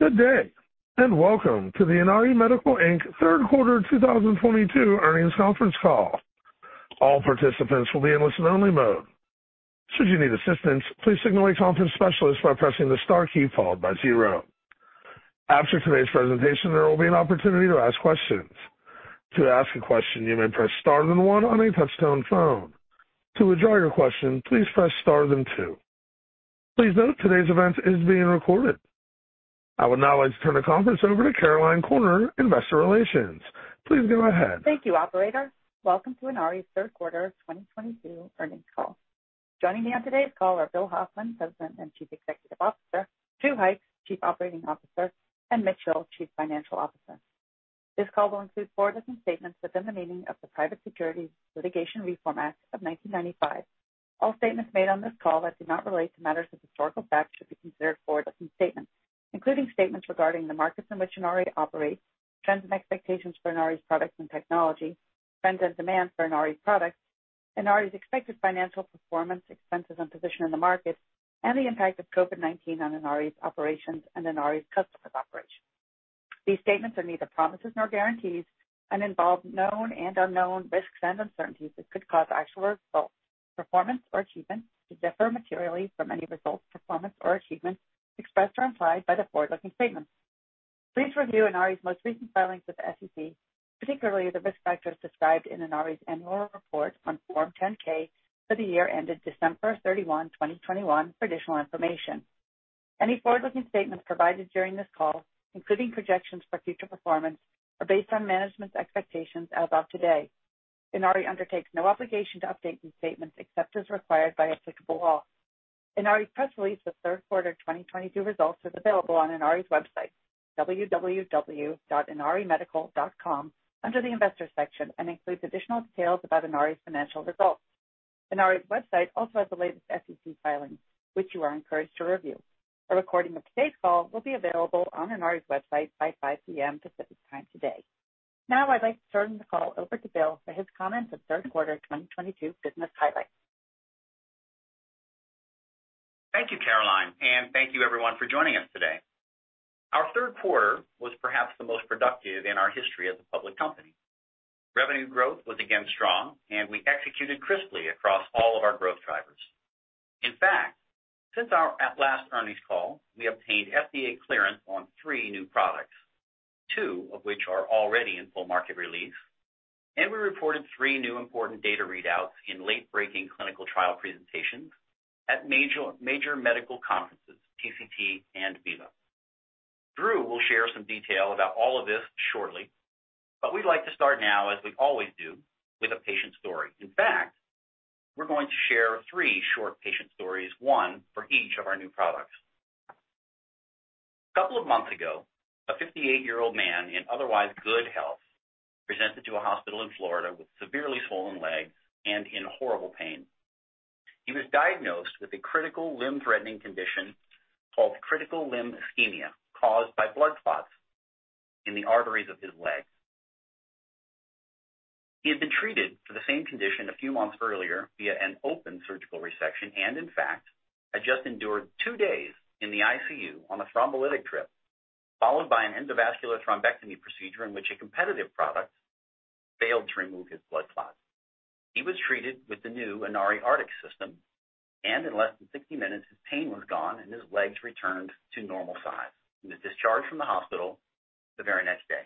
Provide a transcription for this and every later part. Good day, and welcome to the Inari Medical, Inc. Q3 2022 Earnings Conference Call. All participants will be in listen only mode. Should you need assistance, please signal a Conference specialist by pressing the star key followed by zero. After today's presentation, there will be an opportunity to ask questions. To ask a question, you may press star then one on a touchtone phone. To withdraw your question, please press star then two. Please note today's event is being recorded. I would now like to turn the Conference over to Caroline Corner, Investor Relations. Please go ahead. Thank you, Operator. Welcome to Inari's Q3 2022 Earnings Call. Joining me on today's call are Bill Hoffman, President and Chief Executive Officer, Drew Hykes, Chief Operating Officer, and Mitch Hill, Chief Financial Officer. This call will include forward-looking statements within the meaning of the Private Securities Litigation Reform Act of 1995. All statements made on this call that do not relate to matters of historical fact should be considered forward-looking statements, including statements regarding the markets in which Inari operates, trends and expectations for Inari's products and technology, trends and demands for Inari's products, Inari's expected financial performance, expenses, and position in the market, and the impact of COVID-19 on Inari's operations and Inari's customers' operations. These statements are neither promises nor guarantees and involve known and unknown risks and uncertainties that could cause actual results, performance, or achievements to differ materially from any results, performance, or achievements expressed or implied by the forward-looking statements. Please review Inari's most recent filings with the SEC, particularly the risk factors described in Inari's annual report on Form 10-K for the year ended December 31st, 2021 for additional information. Any forward-looking statements provided during this call, including projections for future performance, are based on management's expectations as of today. Inari undertakes no obligation to update these statements except as required by applicable law. Inari's press release for Q3 2022 results is available on Inari's website, www.inarimedical.com, under the Investors section, and includes additional details about Inari's financial results. Inari's website also has the latest SEC filings, which you are encouraged to review. A recording of today's call will be available on Inari's website by 5:00 P.M. Pacific Time today. Now I'd like to turn the call over to Bill for his comments on Q3 2022 business highlights. Thank you, Caroline, and thank you everyone for joining us today. Our Q3 was perhaps the most productive in our history as a public company. Revenue growth was again strong, and we executed crisply across all of our growth drivers. In fact, since our last Earnings Call, we obtained FDA clearance on three new products, two of which are already in full market release. We reported three new important data readouts in late-breaking clinical trial presentations at major medical conferences, TCT and VIVA. Drew will share some detail about all of this shortly, but we'd like to start now, as we always do, with a patient story. In fact, we're going to share three short patient stories, one for each of our new products. A couple of months ago, a 58-year-old man in otherwise good health presented to a hospital in Florida with severely swollen legs and in horrible pain. He was diagnosed with a critical limb-threatening condition called Critical Limb Ischemia, caused by blood clots in the arteries of his leg. He had been treated for the same condition a few months earlier via an open surgical resection, and in fact had just endured two days in the ICU on a Thrombolytic drip, followed by an Endovascular thrombectomy procedure in which a competitive product failed to remove his blood clot. He was treated with the new Inari Artix system, and in less than 60 minutes, his pain was gone, and his legs returned to normal size, and was discharged from the hospital the very next day.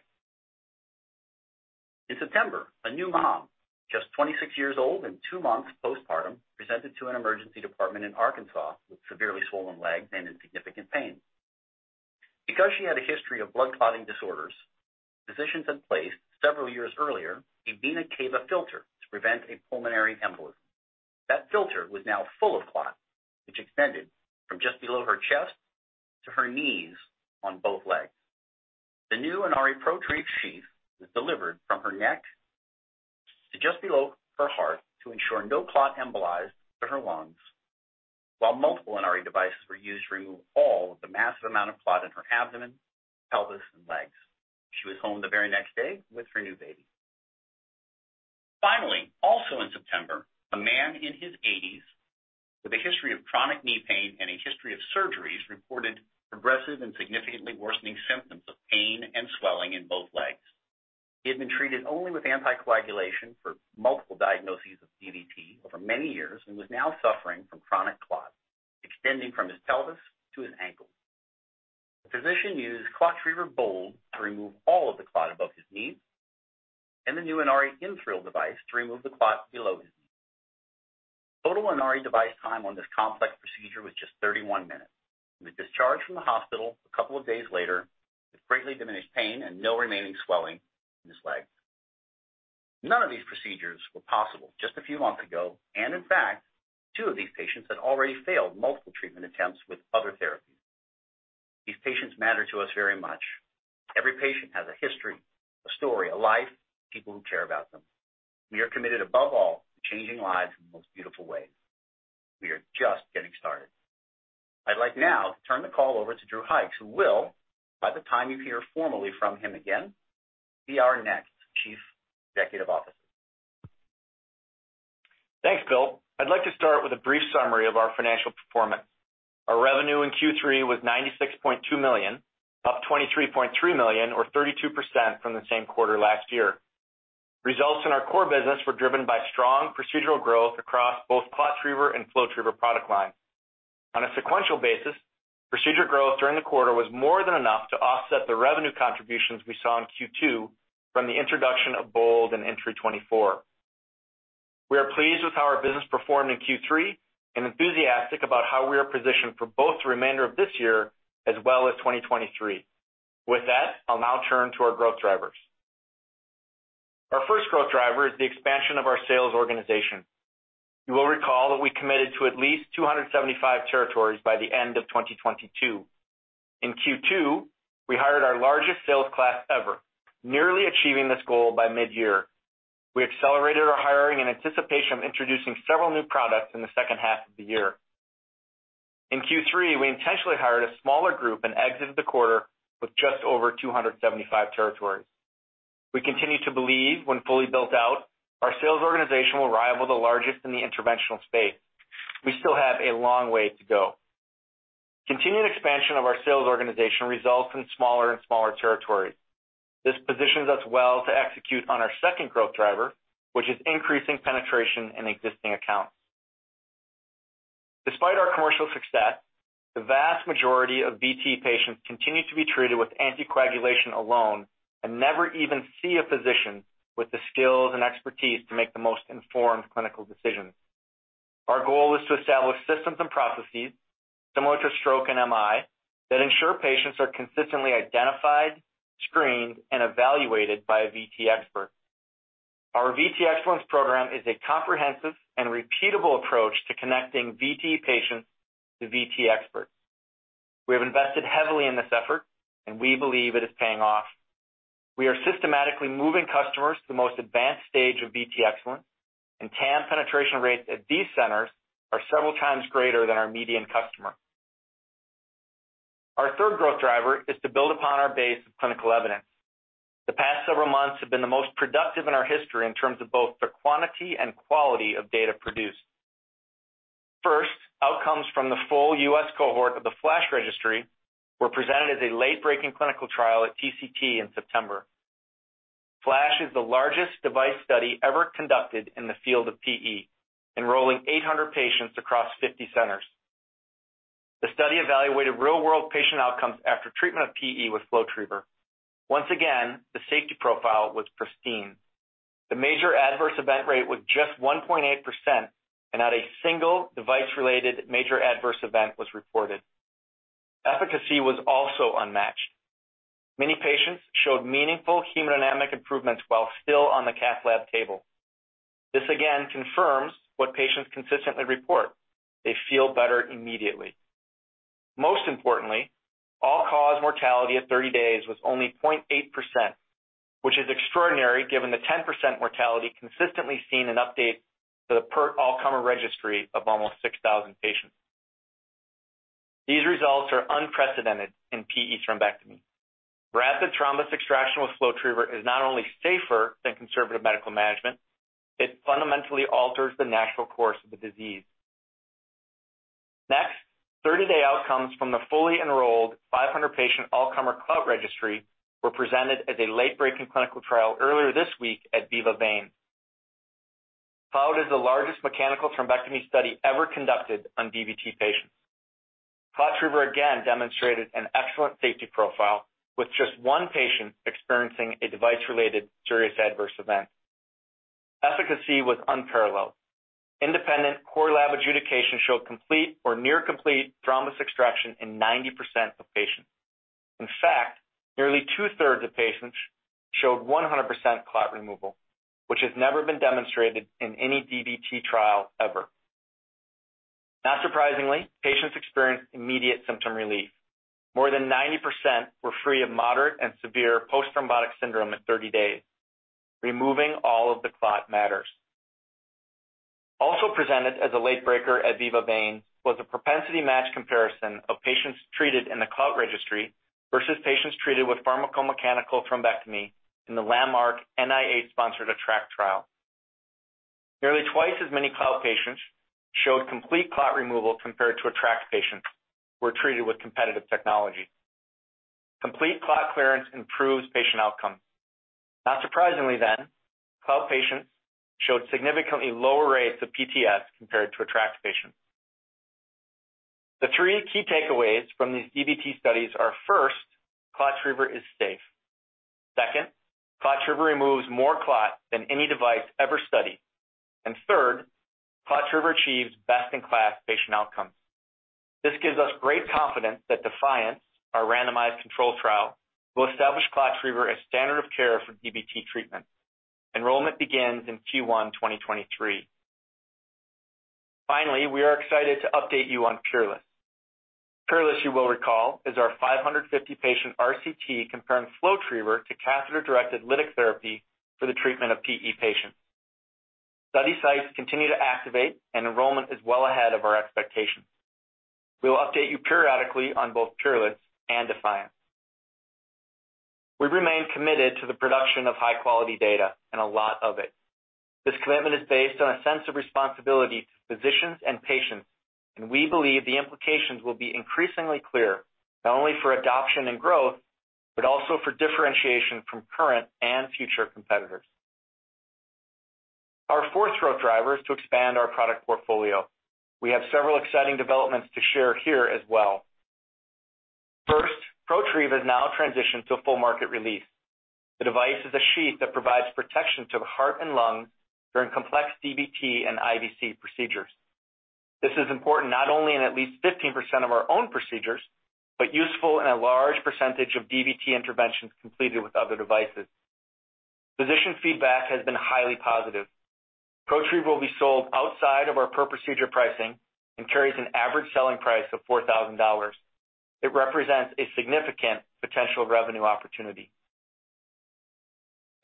In September, a new mom, just 26 years old and two months postpartum, presented to an emergency department in Arkansas with severely swollen legs and in significant pain. Because she had a history of blood clotting disorders, physicians had placed several years earlier a vena cava filter to prevent a Pulmonary embolism. That filter was now full of clot, which extended from just below her chest to her knees on both legs. The new Inari ProTrieve sheath was delivered from her neck to just below her heart to ensure no clot embolized to her lungs, while multiple Inari devices were used to remove all of the massive amount of clot in her abdomen, pelvis, and legs. She was home the very next day with her new baby. Finally, also in September, a man in his 80s with a history of chronic knee pain and a history of surgeries reported progressive and significantly worsening symptoms of pain and swelling in both legs. He had been treated only with anticoagulation for multiple diagnoses of DVT over many years and was now suffering from chronic clots extending from his pelvis to his ankles. The physician used ClotTriever BOLD to remove all of the clot above his knees and the new Inari InThrill device to remove the clot below his knees. Total Inari device time on this complex procedure was just 31 minutes. He was discharged from the hospital a couple of days later with greatly diminished pain and no remaining swelling in his legs. None of these procedures were possible just a few months ago, and in fact, two of these patients had already failed multiple treatment attempts with other therapies. These patients matter to us very much. Every patient has a history, a story, a life, people who care about them. We are committed above all to changing lives in the most beautiful ways. We are just getting started. I'd like now to turn the call over to Drew Hykes, who will, by the time you hear formally from him again, be our next Chief Executive Officer. Thanks, Bill. I'd like to start with a brief summary of our financial performance. Our revenue in Q3 was $96.2 million, up $23.3 million or 32% from the same quarter last year. Results in our core business were driven by strong procedural growth across both ClotTriever and FlowTriever product lines. On a sequential basis, procedure growth during the quarter was more than enough to offset the revenue contributions we saw in Q2 from the introduction of BOLD and Intri24. We are pleased with how our business performed in Q3 and enthusiastic about how we are positioned for both the remainder of this year as well as 2023. With that, I'll now turn to our growth drivers. Our first growth driver is the expansion of our sales organization. You will recall that we committed to at least 275 territories by the end of 2022. In Q2, we hired our largest sales class ever, nearly achieving this goal by mid-year. We accelerated our hiring in anticipation of introducing several new products in the second half of the year. In Q3, we intentionally hired a smaller group and exited the quarter with just over 275 territories. We continue to believe, when fully built out, our sales organization will rival the largest in the interventional space. We still have a long way to go. Continued expansion of our sales organization results in smaller and smaller territories. This positions us well to execute on our second growth driver, which is increasing penetration in existing accounts. Despite our commercial success, the vast majority of VT patients continue to be treated with anticoagulation alone and never even see a physician with the skills and expertise to make the most informed clinical decisions. Our goal is to establish systems and processes similar to stroke and MI that ensure patients are consistently identified, screened, and evaluated by a VT expert. Our VT Excellence program is a comprehensive and repeatable approach to connecting VT patients to VT experts. We have invested heavily in this effort, and we believe it is paying off. We are systematically moving customers to the most advanced stage of VT excellence, and TAM penetration rates at these centers are several times greater than our median customer. Our third growth driver is to build upon our base of clinical evidence. The past several months have been the most productive in our history in terms of both the quantity and quality of data produced. First, outcomes from the full U.S. cohort of the FLASH registry were presented as a late-breaking clinical trial at TCT in September. FLASH is the largest device study ever conducted in the field of PE, enrolling 800 patients across 50 centers. The study evaluated real-world patient outcomes after treatment of PE with FlowTriever. Once again, the safety profile was pristine. The major adverse event rate was just 1.8% and not a single device-related major adverse event was reported. Efficacy was also unmatched. Many patients showed meaningful hemodynamic improvements while still on the cath lab table. This again confirms what patients consistently report: they feel better immediately. Most importantly, all-cause mortality at 30 days was only 0.8%, which is extraordinary given the 10% mortality consistently seen in updates to the PERT all-comer registry of almost 6,000 patients. These results are unprecedented in PE thrombectomy. Rapid thrombus extraction with FlowTriever is not only safer than conservative medical management, it fundamentally alters the natural course of the disease. Next, 30-day outcomes from the fully enrolled 500-patient all-comer CLOUT registry were presented as a late-breaking clinical trial earlier this week at VIVA and The VEINS. CLOUT is the largest mechanical thrombectomy study ever conducted on DVT patients. ClotTriever again demonstrated an excellent safety profile, with just one patient experiencing a device-related serious adverse event. Efficacy was unparalleled. Independent core lab adjudication showed complete or near complete thrombus extraction in 90% of patients. In fact, nearly two-thirds of patients showed 100% clot removal, which has never been demonstrated in any DVT trial ever. Not surprisingly, patients experienced immediate symptom relief. More than 90% were free of moderate and severe post-thrombotic syndrome at 30 days. Removing all of the clot matters. Also presented as a late breaker at VIVA and The VEINS was a propensity match comparison of patients treated in the CLOUT registry versus patients treated with pharmacomechanical thrombectomy in the landmark NIH-sponsored ATTRACT trial. Nearly twice as many CLOUT patients showed complete clot removal compared to ATTRACT patients who were treated with competitive technology. Complete clot clearance improves patient outcomes. Not surprisingly then, CLOUT patients showed significantly lower rates of PTS compared to ATTRACT patients. The three key takeaways from these DVT studies are, first, ClotTriever is safe. Second, ClotTriever removes more clot than any device ever studied. Third, ClotTriever achieves best-in-class patient outcomes. This gives us great confidence that DEFIANCE, our randomized controlled trial, will establish ClotTriever as standard of care for DVT treatment. Enrollment begins in Q1 2023. Finally, we are excited to update you on PEERLESS. PEERLESS, you will recall, is our 550-patient RCT comparing FlowTriever to catheter-directed lytic therapy for the treatment of PE patients. Study sites continue to activate and enrollment is well ahead of our expectations. We will update you periodically on both PEERLESS and DEFIANCE. We remain committed to the production of high quality data and a lot of it. This commitment is based on a sense of responsibility to physicians and patients, and we believe the implications will be increasingly clear, not only for adoption and growth, but also for differentiation from current and future competitors. Our fourth growth driver is to expand our product portfolio. We have several exciting developments to share here as well. First, ProTrieve has now transitioned to a full market release. The device is a sheath that provides protection to the heart and lungs during complex DVT and IVC procedures. This is important not only in at least 15% of our own procedures, but useful in a large percentage of DVT interventions completed with other devices. Physician feedback has been highly positive. ProTrieve will be sold outside of our per procedure pricing and carries an average selling price of $4,000. It represents a significant potential revenue opportunity.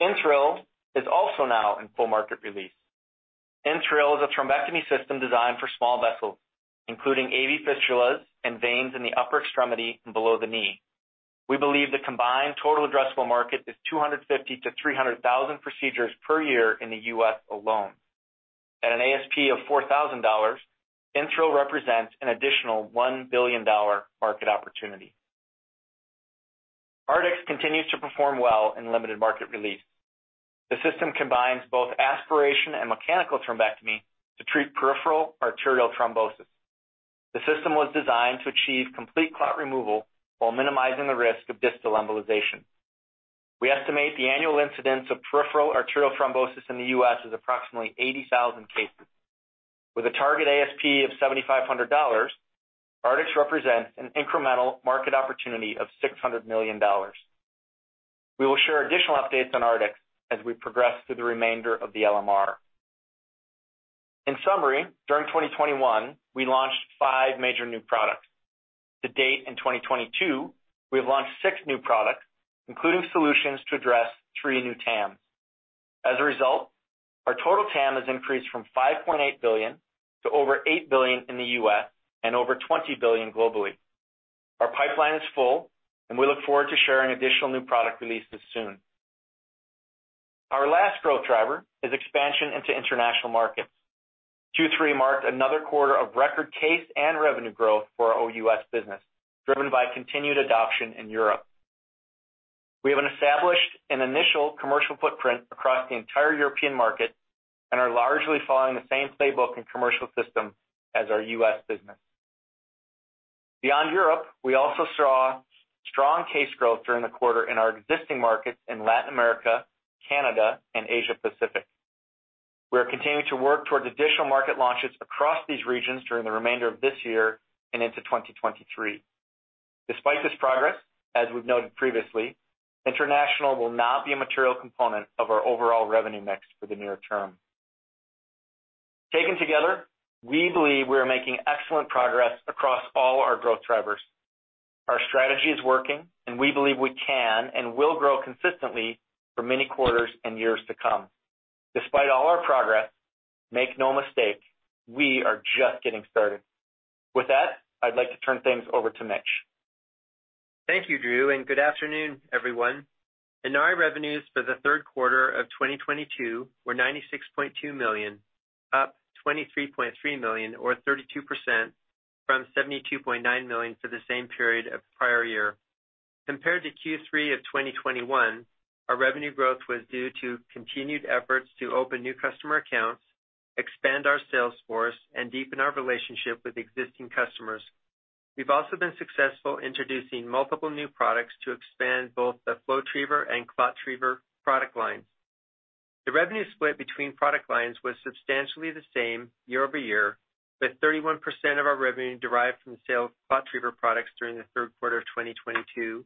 InThrill is also now in full market release. InThrill is a thrombectomy system designed for small vessels, including AV fistulas and veins in the upper extremity and below the knee. We believe the combined total addressable market is 250, 000 to 300,000 procedures per year in the U.S. alone. At an ASP of $4,000, InThrill represents an additional $1 billion market opportunity. Artix continues to perform well in limited market release. The system combines both aspiration and mechanical thrombectomy to treat peripheral arterial thrombosis. The system was designed to achieve complete clot removal while minimizing the risk of distal embolization. We estimate the annual incidence of peripheral arterial thrombosis in the U.S. is approximately 80,000 cases. With a target ASP of $7,500, Artix represents an incremental market opportunity of $600 million. We will share additional updates on Artix as we progress through the remainder of the LMR. In summary, during 2021, we launched five major new products. To date in 2022, we have launched six new products, including solutions to address three new TAMs. As a result, our total TAM has increased from $5.8 billion to over $8 billion in the U.S. and over $20 billion globally. Our pipeline is full and we look forward to sharing additional new product releases soon. Our last growth driver is expansion into international markets. Q3 marked another quarter of record case and revenue growth for our OUS business, driven by continued adoption in Europe. We have established an initial commercial footprint across the entire European market and are largely following the same playbook and commercial system as our U.S. business. Beyond Europe, we also saw strong case growth during the quarter in our existing markets in Latin America, Canada, and Asia Pacific. We are continuing to work towards additional market launches across these regions during the remainder of this year and into 2023. Despite this progress, as we've noted previously, international will not be a material component of our overall revenue mix for the near term. Taken together, we believe we are making excellent progress across all our growth drivers. Our strategy is working, and we believe we can and will grow consistently for many quarters and years to come. Despite all our progress, make no mistake, we are just getting started. With that, I'd like to turn things over to Mitch. Thank you, Drew, and good afternoon, everyone. Inari revenues for the Q3 of 2022 were $96.2 million, up $23.3 million or 32% from $72.9 million for the same period of prior year. Compared to Q3 of 2021, our revenue growth was due to continued efforts to open new customer accounts, expand our sales force, and deepen our relationship with existing customers. We've also been successful introducing multiple new products to expand both the FlowTriever and ClotTriever product lines. The revenue split between product lines was substantially the same year-over-year, with 31% of our revenue derived from the sale of ClotTriever products during the Q3 of 2022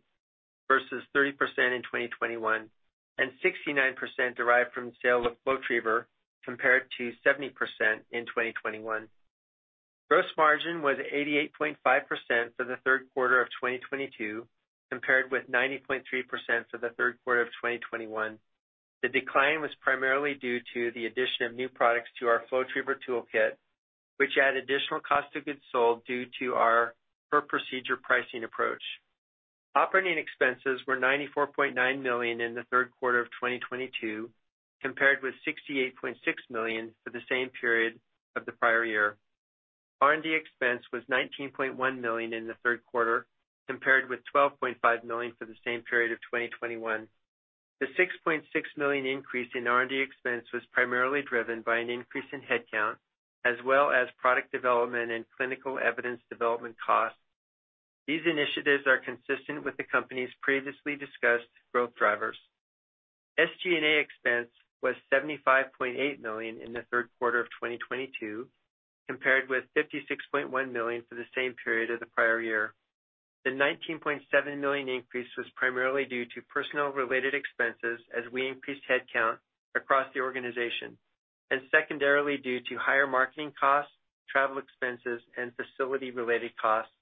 versus 30% in 2021, and 69% derived from the sale of FlowTriever compared to 70% in 2021. Gross margin was 88.5% for the Q3 of 2022, compared with 90.3% for the Q3 of 2021. The decline was primarily due to the addition of new products to our FlowTriever toolkit, which add additional cost of goods sold due to our per procedure pricing approach. Operating expenses were $94.9 million in the Q3 of 2022, compared with $68.6 million for the same period of the prior year. R&D expense was $19.1 million in the Q3, compared with $12.5 million for the same period of 2021. The $6.6 million increase in R&D expense was primarily driven by an increase in headcount, as well as product development and clinical evidence development costs. These initiatives are consistent with the company's previously discussed growth drivers. SG&A expense was $75.8 million in the Q3 of 2022, compared with $56.1 million for the same period as the prior year. The $19.7 million increase was primarily due to personnel related expenses as we increased headcount across the organization, and secondarily due to higher marketing costs, travel expenses, and facility related costs.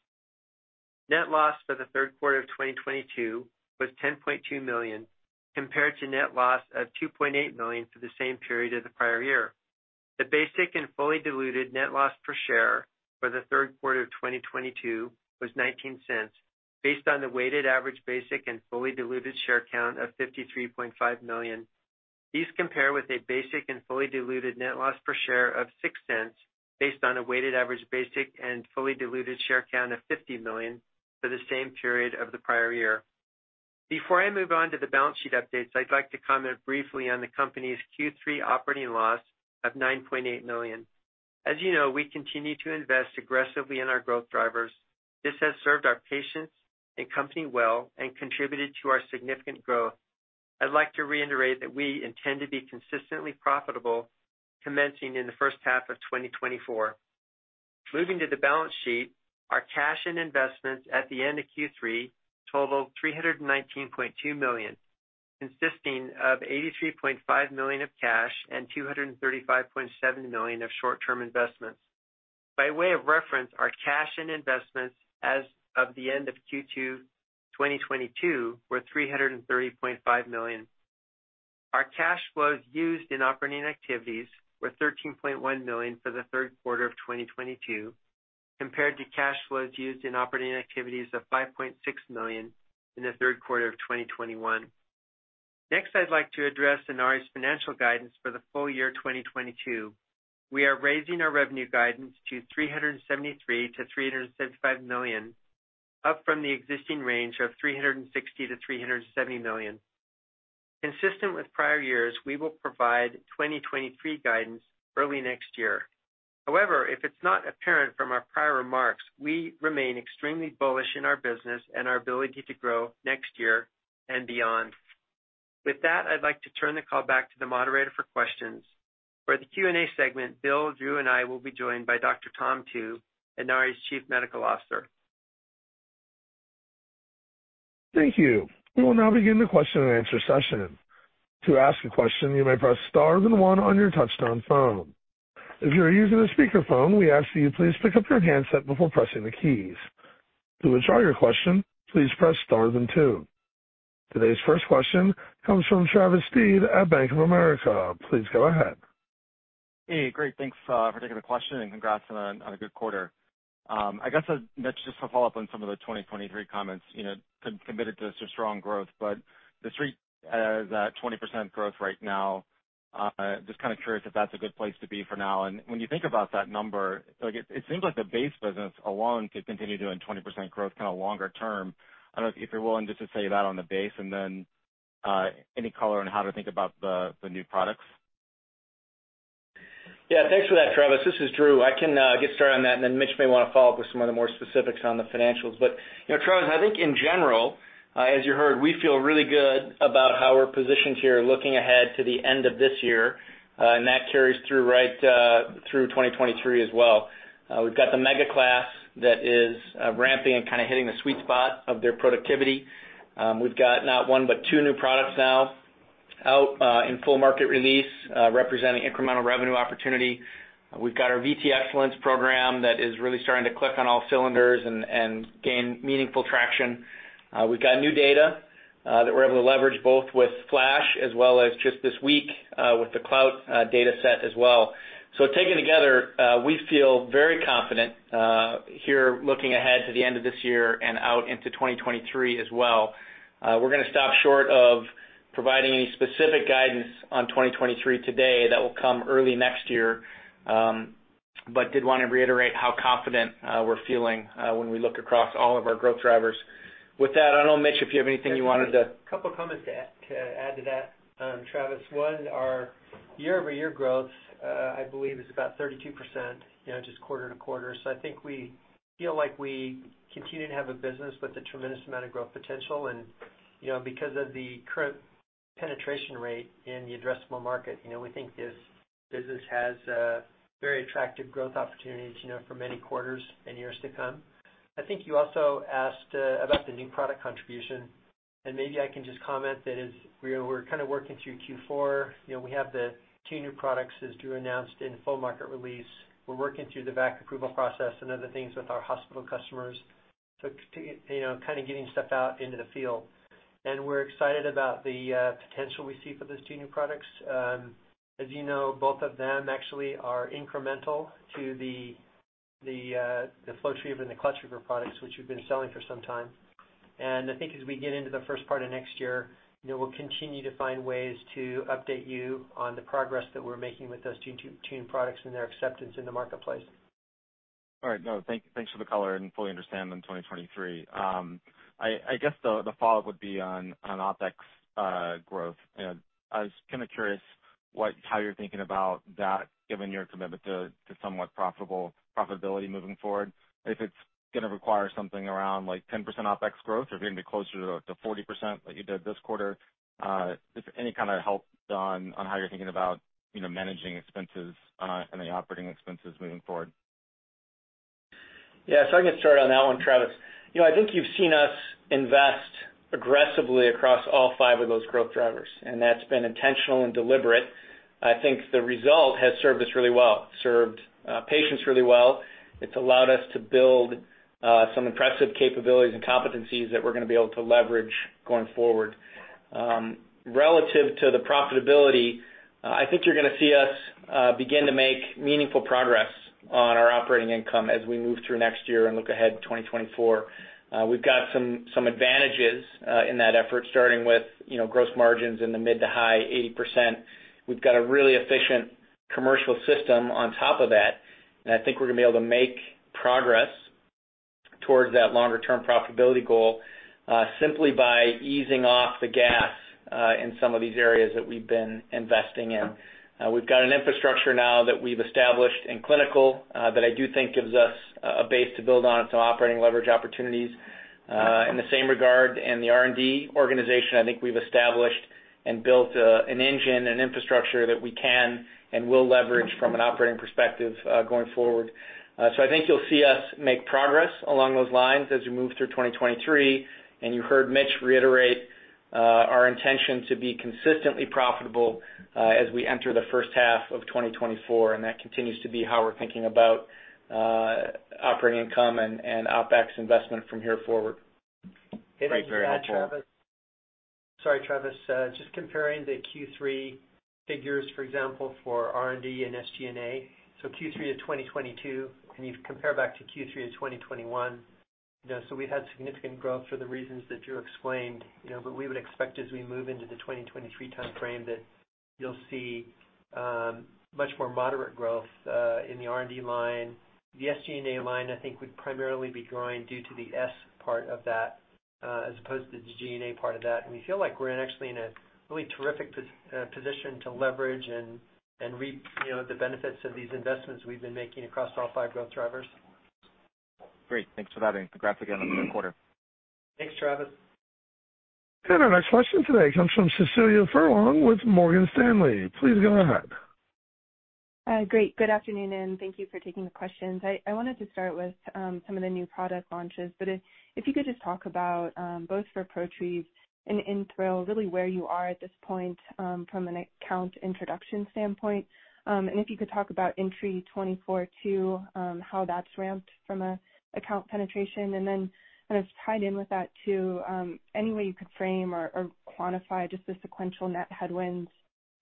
Net loss for the Q3 of 2022 was $10.2 million, compared to net loss of $2.8 million for the same period as the prior year. The basic and fully diluted net loss per share for the Q3 of 2022 was $0.19, based on the weighted average basic and fully diluted share count of 53.5 million. These compare with a basic and fully diluted net loss per share of $0.06 based on a weighted average basic and fully diluted share count of 50 million for the same period of the prior year. Before I move on to the balance sheet updates, I'd like to comment briefly on the company's Q3 operating loss of $9.8 million. As you know, we continue to invest aggressively in our growth drivers. This has served our patients and company well and contributed to our significant growth. I'd like to reiterate that we intend to be consistently profitable commencing in the first half of 2024. Moving to the balance sheet. Our cash and investments at the end of Q3 totaled $319.2 million, consisting of $83.5 million of cash and $235.7 million of short-term investments. By way of reference, our cash and investments as of the end of Q2 2022 were $330.5 million. Our cash flows used in operating activities were $13.1 million for the Q3 of 2022, compared to cash flows used in operating activities of $5.6 million in the Q3 of 2021. Next, I'd like to address Inari's financial guidance for the full year 2022. We are raising our revenue guidance to $373 million to $375 million, up from the existing range of $360 million to $370 million. Consistent with prior years, we will provide 2023 guidance early next year. However, if it's not apparent from our prior remarks, we remain extremely bullish in our business and our ability to grow next year and beyond. With that, I'd like to turn the call back to the moderator for questions. For the Q&A segment, Bill, Drew and I will be joined by Thomas M. Tu, Inari's Chief Medical Officer. Thank you. We will now begin the Q&A session. To ask a question, you may press star then one on your touchtone phone. If you are using a speakerphone, we ask that you please pick up your handset before pressing the keys. To withdraw your question, please press star then two. Today's first question comes from Travis Steed at Bank of America. Please go ahead. Hey, great, thanks for taking the question and congrats on a good quarter. I guess just to follow up on some of the 2023 comments, you know, committed to strong growth, but the street has a 20% growth right now. Just kind of curious if that's a good place to be for now. When you think about that number, like, it seems like the base business alone could continue doing 20% growth kind of longer term. I don't know if you're willing just to say that on the base and then any color on how to think about the new products. Yeah, thanks for that, Travis. This is Drew. I can get started on that, and then Mitch may want to follow up with some of the more specifics on the financials. You know, Travis, I think in general, as you heard, we feel really good about how we're positioned here looking ahead to the end of this year. That carries through, right, through 2023 as well. We've got the mega class that is ramping and kind of hitting the sweet spot of their productivity. We've got not one, but two new products now out in full market release, representing incremental revenue opportunity. We've got our VTE Excellence program that is really starting to click on all cylinders and gain meaningful traction. We've got new data that we're able to leverage both with FLASH as well as just this week with the CLOUT data set as well. Taken together, we feel very confident here looking ahead to the end of this year and out into 2023 as well. We're gonna stop short of providing any specific guidance on 2023 today. That will come early next year, but did want to reiterate how confident we're feeling when we look across all of our growth drivers. With that, I don't know, Mitch, if you have anything you wanted to A couple comments to add to that, Travis. One, our year-over-year growth, I believe is about 32%, you know, just quarter-over-quarter. So I think we feel like we continue to have a business with a tremendous amount of growth potential. You know, because of the current penetration rate in the addressable market, you know, we think this business has a very attractive growth opportunities, you know, for many quarters and years to come. I think you also asked about the new product contribution, and maybe I can just comment that as we're kind of working through Q4, you know, we have the two new products, as Drew announced, in full market release. We're working through the VAC approval process and other things with our hospital customers to, you know, kind of getting stuff out into the field. We're excited about the potential we see for those two new products. As you know, both of them actually are incremental to the FlowTriever and the ClotTriever products, which we've been selling for some time. I think as we get into the first part of next year, you know, we'll continue to find ways to update you on the progress that we're making with those two new products and their acceptance in the marketplace. All right. Thanks for the color and fully understand on 2023. I guess the follow-up would be on OpEx growth. I was kind of curious how you're thinking about that, given your commitment to somewhat profitability moving forward. If it's gonna require something around like 10% OpEx growth or if you're gonna be closer to 40% like you did this quarter. Just any kind of help on how you're thinking about, you know, managing expenses, any operating expenses moving forward. Yeah. I can start on that one, Travis. You know, I think you've seen us invest aggressively across all five of those growth drivers, and that's been intentional and deliberate. I think the result has served patients really well. It's allowed us to build some impressive capabilities and competencies that we're gonna be able to leverage going forward. Relative to the profitability, I think you're gonna see us begin to make meaningful progress on our operating income as we move through next year and look ahead to 2024. We've got some advantages in that effort, starting with, you know, gross margins in the mid to high 80%. We've got a really efficient commercial system on top of that, and I think we're gonna be able to make progress towards that longer term profitability goal, simply by easing off the gas, in some of these areas that we've been investing in. We've got an infrastructure now that we've established in clinical, that I do think gives us a base to build on some operating leverage opportunities. In the same regard in the R&D organization, I think we've established and built an engine and infrastructure that we can and will leverage from an operating perspective, going forward. I think you'll see us make progress along those lines as we move through 2023. You heard Mitch reiterate our intention to be consistently profitable as we enter the first half of 2024, and that continues to be how we're thinking about operating income and OpEx investment from here forward. Great. Very helpful. This is Travis Steed. Sorry, Travis. Just comparing the Q3 figures, for example, for R&D and SG&A. Q3 of 2022, and you compare back to Q3 of 2021, you know, so we had significant growth for the reasons that Drew explained, you know, but we would expect as we move into the 2023 timeframe that you'll see, much more moderate growth, in the R&D line. The SG&A line I think would primarily be growing due to the S part of that, as opposed to the G&A part of that. We feel like we're actually in a really terrific position to leverage and reap, you know, the benefits of these investments we've been making across all five growth drivers. Great. Thanks for that. Congrats again on the quarter. Thanks, Travis. Our next question today comes from Cecilia Furlong with Morgan Stanley. Please go ahead. Great. Good afternoon, and thank you for taking the questions. I wanted to start with some of the new product launches, but if you could just talk about both for ProTrieve and InThrill, really where you are at this point from an account introduction standpoint. If you could talk about Intri24 too, how that's ramped from account penetration. Kind of tied in with that too, any way you could frame or quantify just the sequential net headwinds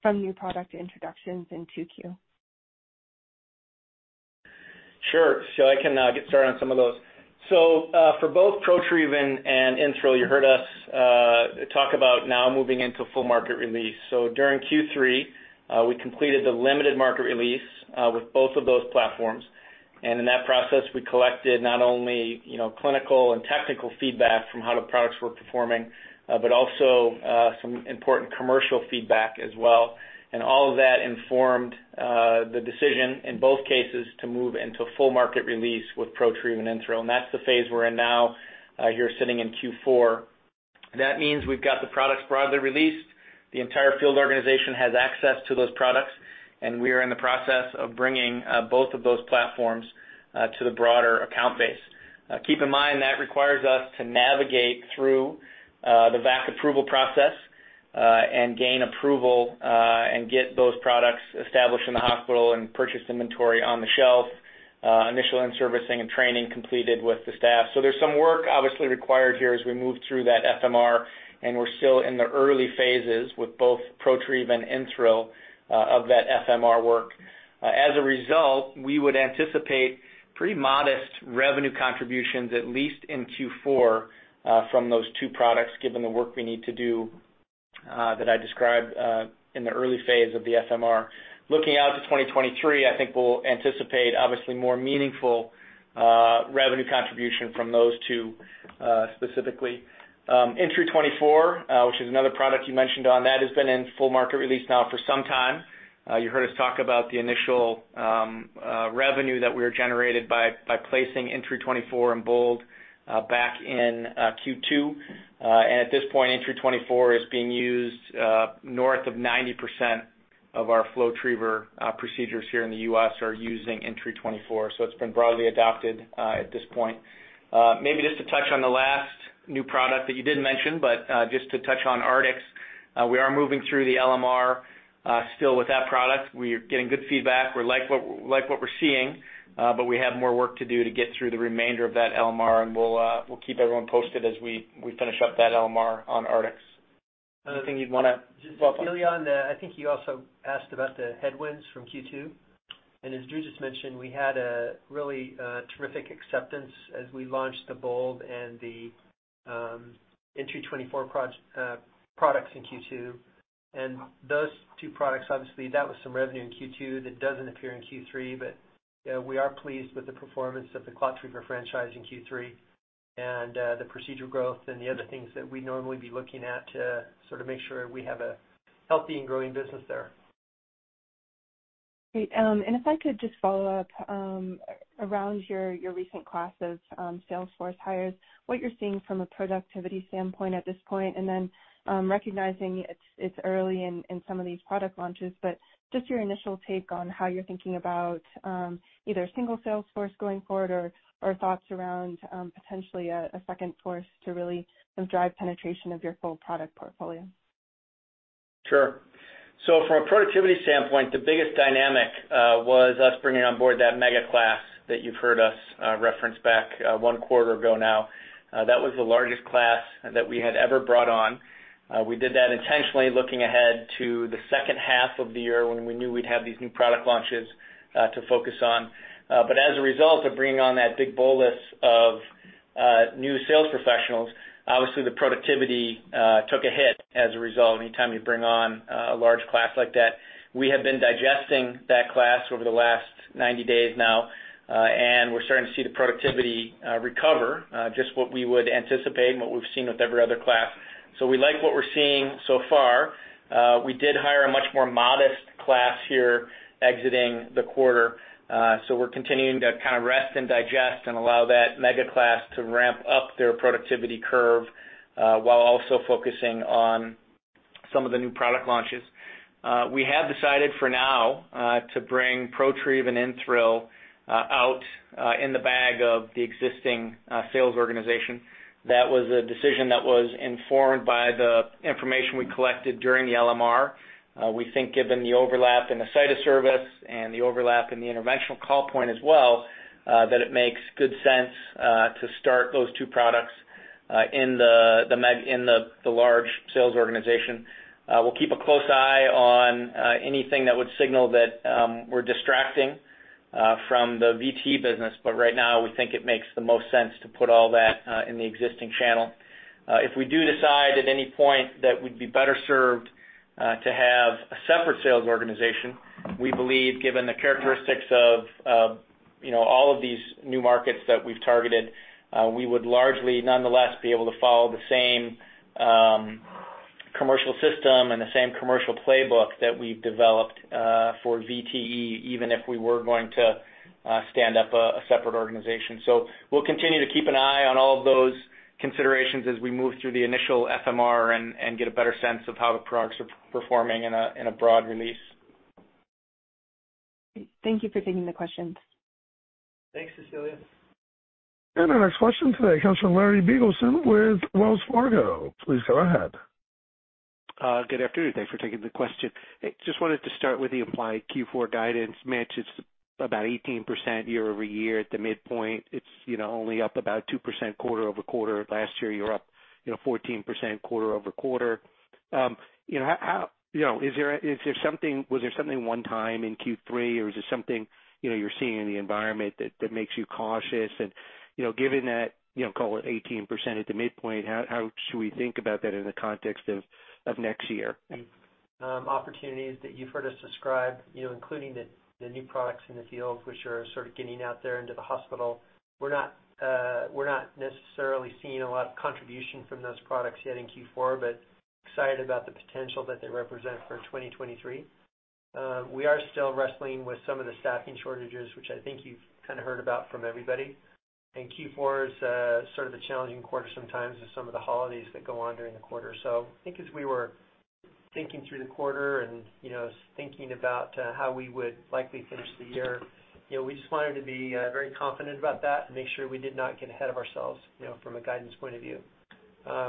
from new product introductions in 2Q. Sure. I can get started on some of those. For both ProTrieve and InThrill, you heard us talk about now moving into full market release. During Q3, we completed the limited market release with both of those platforms. In that process, we collected not only, you know, clinical and technical feedback from how the products were performing, but also some important commercial feedback as well. All of that informed the decision in both cases to move into full market release with ProTrieve and InThrill, and that's the phase we're in now, here sitting in Q4. That means we've got the products broadly released. The entire field organization has access to those products, and we are in the process of bringing both of those platforms to the broader account base. Keep in mind that requires us to navigate through the VAC approval process and gain approval and get those products established in the hospital and purchase inventory on the shelf, initial in-servicing and training completed with the staff. There's some work obviously required here as we move through that FMR, and we're still in the early phases with both ProTrieve and InThrill of that FMR work. As a result, we would anticipate pretty modest revenue contributions, at least in Q4, from those two products, given the work we need to do that I described in the early phase of the FMR. Looking out to 2023, I think we'll anticipate obviously more meaningful revenue contribution from those two specifically. Intri24, which is another product you mentioned on that, has been in full market release now for some time. You heard us talk about the initial revenue that we had generated by placing Intri24 in BOLD back in Q2. At this point, Intri24 is being used north of 90% of our FlowTriever procedures here in the U.S. are using Intri24. It's been broadly adopted at this point. Maybe just to touch on the last new product that you didn't mention, Artix, we are moving through the LMR still with that product. We are getting good feedback. We like what we're seeing, but we have more work to do to get through the remainder of that LMR, and we'll keep everyone posted as we finish up that LMR on Artix. Another thing you'd wanna follow up on? Just Cecilia. I think you also asked about the headwinds from Q2. As Drew just mentioned, we had a really terrific acceptance as we launched the BOLD and the Intri24 products in Q2. Those two products, obviously that was some revenue in Q2 that doesn't appear in Q3, but we are pleased with the performance of the ClotTriever franchise in Q3 and the procedure growth and the other things that we'd normally be looking at to sort of make sure we have a healthy and growing business there. Great. If I could just follow up around your recent classes sales force hires, what you're seeing from a productivity standpoint at this point, and then recognizing it's early in some of these product launches, but just your initial take on how you're thinking about either a single sales force going forward or thoughts around potentially a second force to really sort of drive penetration of your full product portfolio. Sure. From a productivity standpoint, the biggest dynamic was us bringing on board that mega class that you've heard us reference back one quarter ago now. That was the largest class that we had ever brought on. We did that intentionally looking ahead to the second half of the year when we knew we'd have these new product launches to focus on. As a result of bringing on that big bolus of new sales professionals, obviously the productivity took a hit as a result, anytime you bring on a large class like that. We have been digesting that class over the last 90 days now, and we're starting to see the productivity recover just what we would anticipate and what we've seen with every other class. We like what we're seeing so far. We did hire a much more modest class here exiting the quarter. We're continuing to kind of rest and digest and allow that mega class to ramp up their productivity curve, while also focusing on some of the new product launches. We have decided for now to bring ProTrieve and InThrill out in the bag of the existing sales organization. That was a decision that was informed by the information we collected during the LMR. We think given the overlap in the site of service and the overlap in the interventional call point as well, that it makes good sense to start those two products in the large sales organization. We'll keep a close eye on anything that would signal that we're distracting from the VTE business, but right now, we think it makes the most sense to put all that in the existing channel. If we do decide at any point that we'd be better served to have a separate sales organization, we believe given the characteristics of, you know, all of these new markets that we've targeted, we would largely nonetheless be able to follow the same commercial system and the same commercial playbook that we've developed for VTE, even if we were going to stand up a separate organization. We'll continue to keep an eye on all of those considerations as we move through the initial FMR and get a better sense of how the products are performing in a broad release. Great. Thank you for taking the questions. Thanks, Cecilia. Our next question today comes from Larry Biegelsen with Wells Fargo. Please go ahead. Good afternoon. Thanks for taking the question. Hey, just wanted to start with the implied Q4 guidance matches about 18% year-over-year at the midpoint. It's, you know, only up about 2% quarter-over-quarter. Last year you were up, you know, 14% quarter-over-quarter. You know, is there something one-time in Q3, or is this something, you know, you're seeing in the environment that makes you cautious? You know, given that, you know, call it 18% at the midpoint, how should we think about that in the context of next year? Opportunities that you've heard us describe, you know, including the new products in the field, which are sort of getting out there into the hospital. We're not necessarily seeing a lot of contribution from those products yet in Q4, but excited about the potential that they represent for 2023. We are still wrestling with some of the staffing shortages, which I think you've kind of heard about from everybody. Q4 is sort of a challenging quarter sometimes with some of the holidays that go on during the quarter. I think as we were thinking through the quarter and, you know, thinking about how we would likely finish the year, you know, we just wanted to be very confident about that and make sure we did not get ahead of ourselves, you know, from a guidance point of view.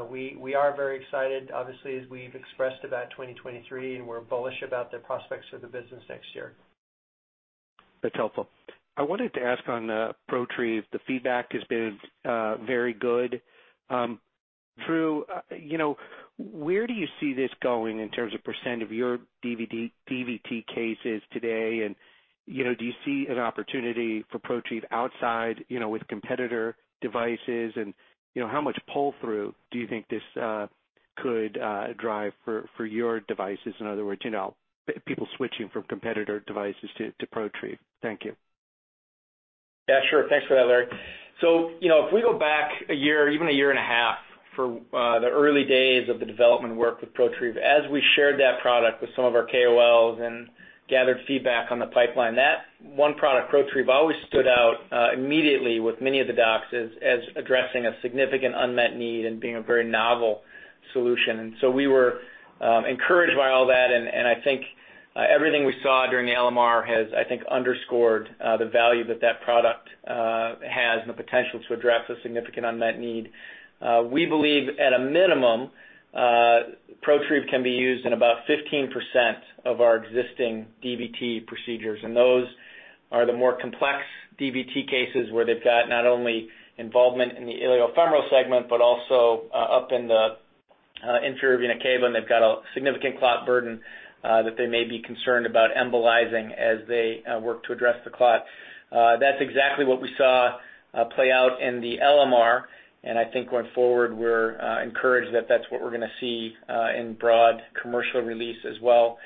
We are very excited, obviously, as we've expressed about 2023, and we're bullish about the prospects for the business next year. That's helpful. I wanted to ask on ProTrieve, the feedback has been very good. Drew, you know, where do you see this going in terms of percent of your DVT cases today? You know, do you see an opportunity for ProTrieve outside, you know, with competitor devices? You know, how much pull-through do you think this could drive for your devices? In other words, you know, people switching from competitor devices to ProTrieve. Thank you. Yeah, sure. Thanks for that, Larry. So, you know, if we go back a year, even a year and a half, for the early days of the development work with ProTrieve, as we shared that product with some of our KOLs and gathered feedback on the pipeline, that one product, ProTrieve, always stood out immediately with many of the docs as addressing a significant unmet need and being a very novel solution. We were encouraged by all that, and I think everything we saw during the LMR has, I think, underscored the value that that product has and the potential to address a significant unmet need. We believe at a minimum, ProTrieve can be used in about 15% of our existing DVT procedures, and those are the more complex DVT cases where they've got not only involvement in the iliofemoral segment, but also up in the inferior vena cava, and they've got a significant clot burden that they may be concerned about embolizing as they work to address the clot. That's exactly what we saw play out in the LMR, and I think going forward, we're encouraged that that's what we're gonna see in broad commercial release as well.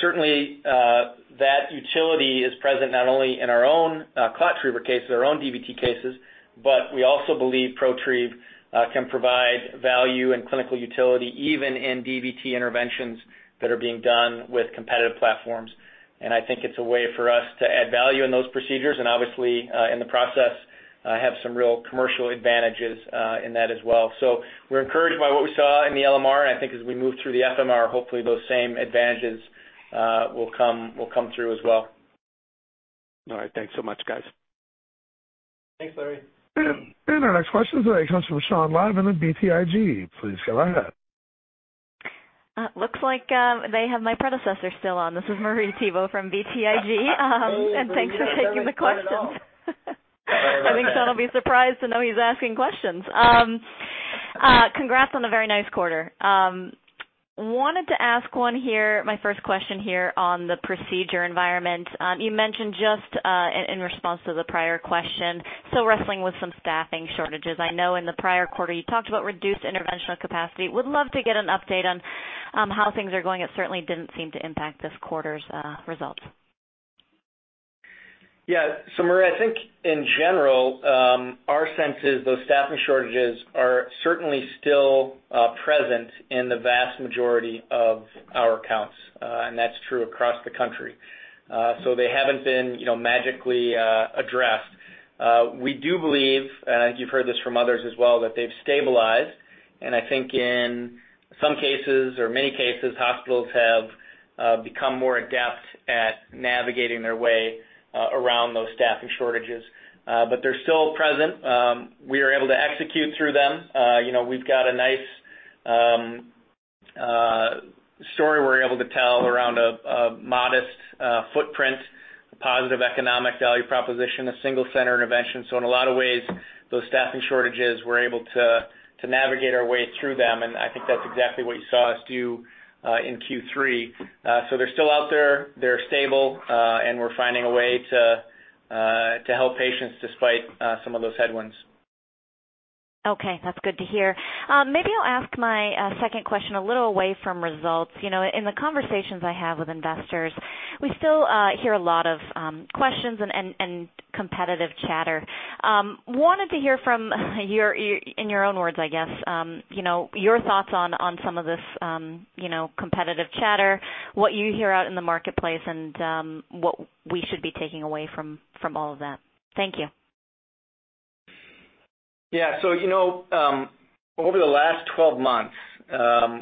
Certainly, that utility is present not only in our own ClotTriever cases, our own DVT cases, but we also believe ProTrieve can provide value and clinical utility even in DVT interventions that are being done with competitive platforms. I think it's a way for us to add value in those procedures and obviously, in the process, have some real commercial advantages, in that as well. We're encouraged by what we saw in the LMR, and I think as we move through the FMR, hopefully those same advantages will come through as well. All right. Thanks so much, guys. Thanks, Larry. Our next question today comes from Sean Lyman of BTIG. Please go right ahead. Looks like they have my predecessor still on. This is Marie Thibault from BTIG. Thanks for taking the questions. Hey, Marie. No, that makes sense at all. I think Sean will be surprised to know he's asking questions. Congrats on a very nice quarter. Wanted to ask one here, my first question here on the procedure environment. You mentioned just in response to the prior question, so wrestling with some staffing shortages. I know in the prior quarter, you talked about reduced interventional capacity. Would love to get an update on how things are going. It certainly didn't seem to impact this quarter's results. Yeah. Marie, I think in general, our sense is those staffing shortages are certainly still present in the vast majority of our accounts, and that's true across the country. They haven't been, you know, magically addressed. We do believe, you've heard this from others as well, that they've stabilized. I think in some cases or many cases, hospitals have become more adept at navigating their way around those staffing shortages. They're still present. We are able to execute through them. You know, we've got a nice story we're able to tell around a modest footprint, a positive economic value proposition, a single center intervention. In a lot of ways, those staffing shortages, we're able to to navigate our way through them, and I think that's exactly what you saw us do in Q3. They're still out there. They're stable, and we're finding a way to to help patients despite some of those headwinds. Okay. That's good to hear. Maybe I'll ask my second question a little away from results. You know, in the conversations I have with investors, we still hear a lot of questions and competitive chatter. Wanted to hear from your in your own words, I guess, you know, your thoughts on some of this competitive chatter, what you hear out in the marketplace, and what we should be taking away from all of that. Thank you. Yeah. You know, over the last 12 months,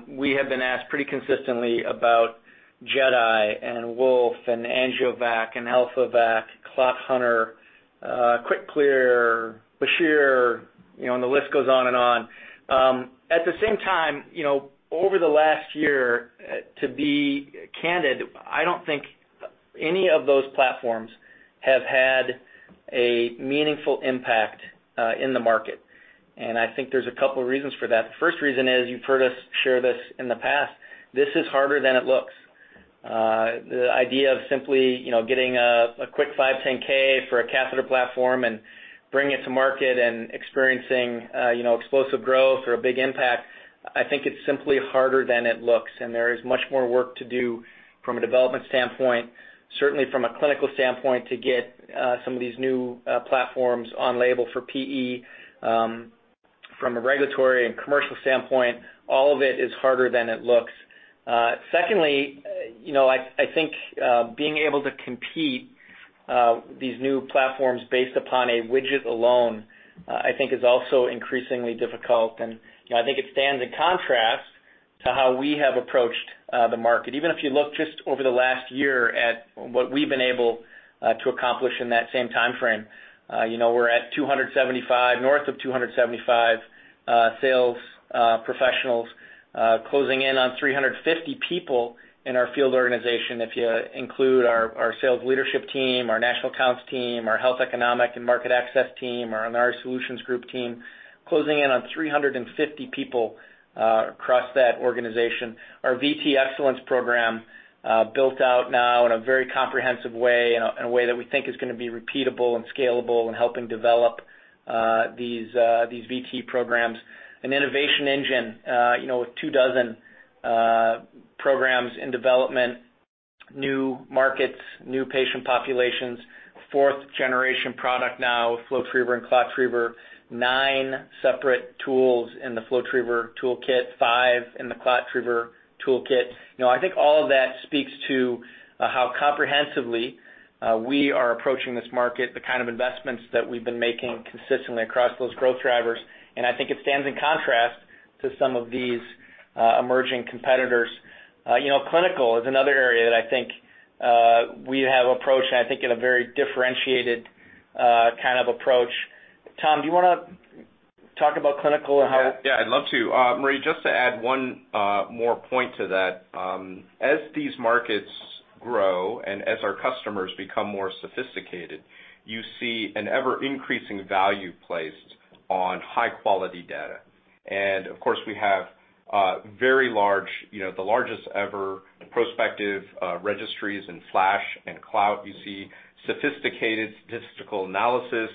we have been asked pretty consistently about JEDI and WOLF and AngioVac and AlphaVac, ClotTriever, QuickClear, Bashir, you know, and the list goes on and on. At the same time, you know, over the last year, to be candid, I don't think any of those platforms have had a meaningful impact in the market. I think there's a couple of reasons for that. The first reason is you've heard us share this in the past. This is harder than it looks. The idea of simply, you know, getting a quick 510(k) for a catheter platform and bringing it to market and experiencing, you know, explosive growth or a big impact, I think it's simply harder than it looks, and there is much more work to do from a development standpoint, certainly from a clinical standpoint, to get some of these new platforms on label for PE, from a regulatory and commercial standpoint. All of it is harder than it looks. Secondly, you know, I think being able to compete these new platforms based upon a widget alone, I think is also increasingly difficult. You know, I think it stands in contrast to how we have approached the market. Even if you look just over the last year at what we've been able to accomplish in that same timeframe, you know, we're at 275, north of 275, sales professionals, closing in on 350 people in our field organization. If you include our sales leadership team, our national accounts team, our health economic and market access team, our Inari Solutions Group team, closing in on 350 people across that organization. Our VTE Excellence program built out now in a very comprehensive way, in a way that we think is gonna be repeatable and scalable in helping develop these VTE programs. An innovation engine, you know, with 24 programs in development, new markets, new patient populations, fourth generation product now, FlowTriever and ClotTriever, nine separate tools in the FlowTriever toolkit, five in the ClotTriever toolkit. You know, I think all of that speaks to how comprehensively we are approaching this market, the kind of investments that we've been making consistently across those growth drivers, and I think it stands in contrast to some of these emerging competitors. You know, clinical is another area that I think we have approached, and I think in a very differentiated kind of approach. Tom, do you wanna talk about clinical and how Yeah. Yeah, I'd love to. Marie, just to add one more point to that. As these markets grow and as our customers become more sophisticated, you see an ever-increasing value placed on high-quality data. Of course, we have very large, you know, the largest ever prospective registries in FLASH and CLOUT. You see sophisticated statistical analysis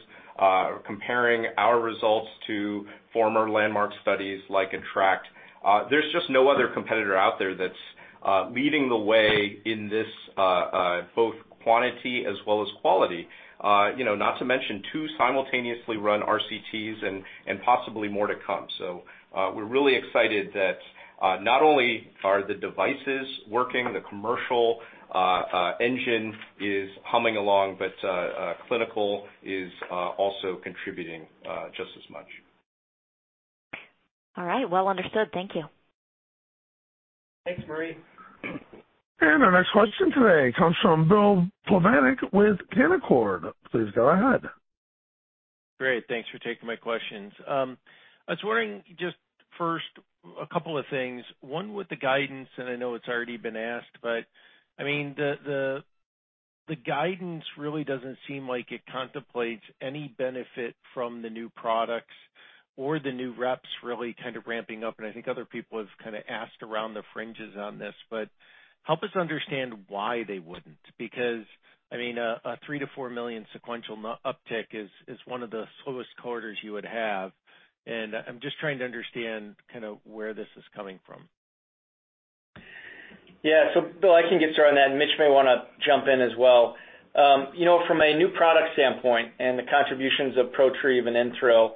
comparing our results to former landmark studies like ATTRACT. There's just no other competitor out there that's leading the way in this both quantity as well as quality. You know, not to mention two simultaneously run RCTs and possibly more to come. We're really excited that not only are the devices working, the commercial engine is humming along, but clinical is also contributing just as much. All right, well understood. Thank you. Thanks, Marie. Our next question today comes from Bill Plovanic with Canaccord. Please go ahead. Great. Thanks for taking my questions. I was wondering, just first, a couple of things. One, with the guidance, and I know it's already been asked, but, I mean, the guidance really doesn't seem like it contemplates any benefit from the new products or the new reps really kind of ramping up, and I think other people have kinda asked around the fringes on this. Help us understand why they wouldn't? Because, I mean, a $3 million to $4 million sequential uptick is one of the slowest quarters you would have. I'm just trying to understand kinda where this is coming from. Yeah. Bill, I can get started on that. Mitch may wanna jump in as well. You know, from a new product standpoint and the contributions of ProTrieve and InThrill,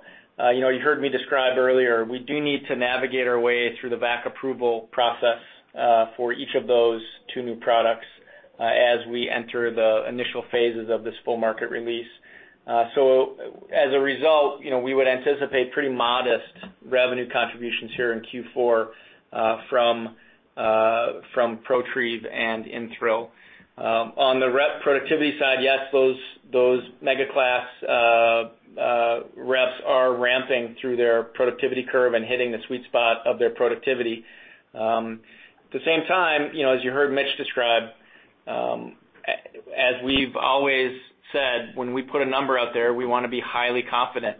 you know, you heard me describe earlier, we do need to navigate our way through the VAC approval process for each of those two new products as we enter the initial phases of this full market release. As a result, you know, we would anticipate pretty modest revenue contributions here in Q4 from ProTrieve and InThrill. On the rep productivity side, yes, those mega class reps are ramping through their productivity curve and hitting the sweet spot of their productivity. At the same time, you know, as you heard Mitch describe, as we've always said, when we put a number out there, we wanna be highly confident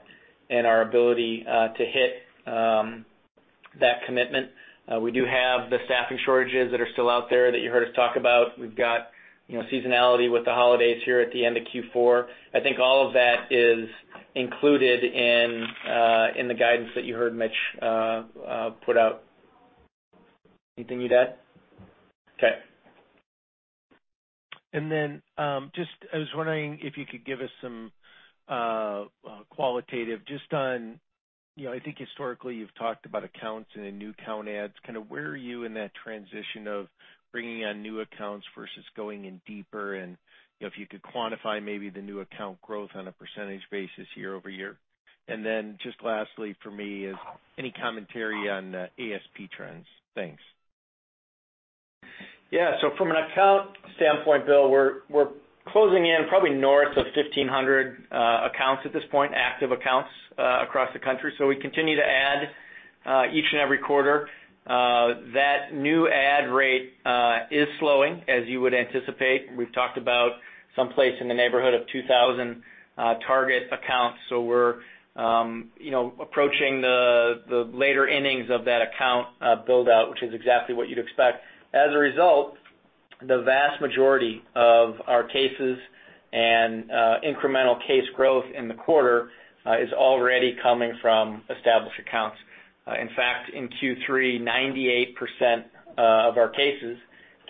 in our ability to hit that commitment. We do have the staffing shortages that are still out there that you heard us talk about. We've got, you know, seasonality with the holidays here at the end of Q4. I think all of that is included in the guidance that you heard Mitch put out. Anything you'd add? Okay. I was wondering if you could give us some qualitative just on, you know, I think historically you've talked about accounts and then new account adds. Kinda where are you in that transition of bringing on new accounts versus going in deeper? You know, if you could quantify maybe the new account growth on a percentage basis year-over-year. Lastly for me is any commentary on ASP trends. Thanks. Yeah. From an account standpoint, Bill, we're closing in probably north of 1,500 accounts at this point, active accounts, across the country. We continue to add each and every quarter. That new add rate is slowing, as you would anticipate. We've talked about someplace in the neighborhood of 2,000 target accounts. We're you know, approaching the later innings of that account build-out, which is exactly what you'd expect. As a result, the vast majority of our cases and incremental case growth in the quarter is already coming from established accounts. In fact, in Q3, 98% of our cases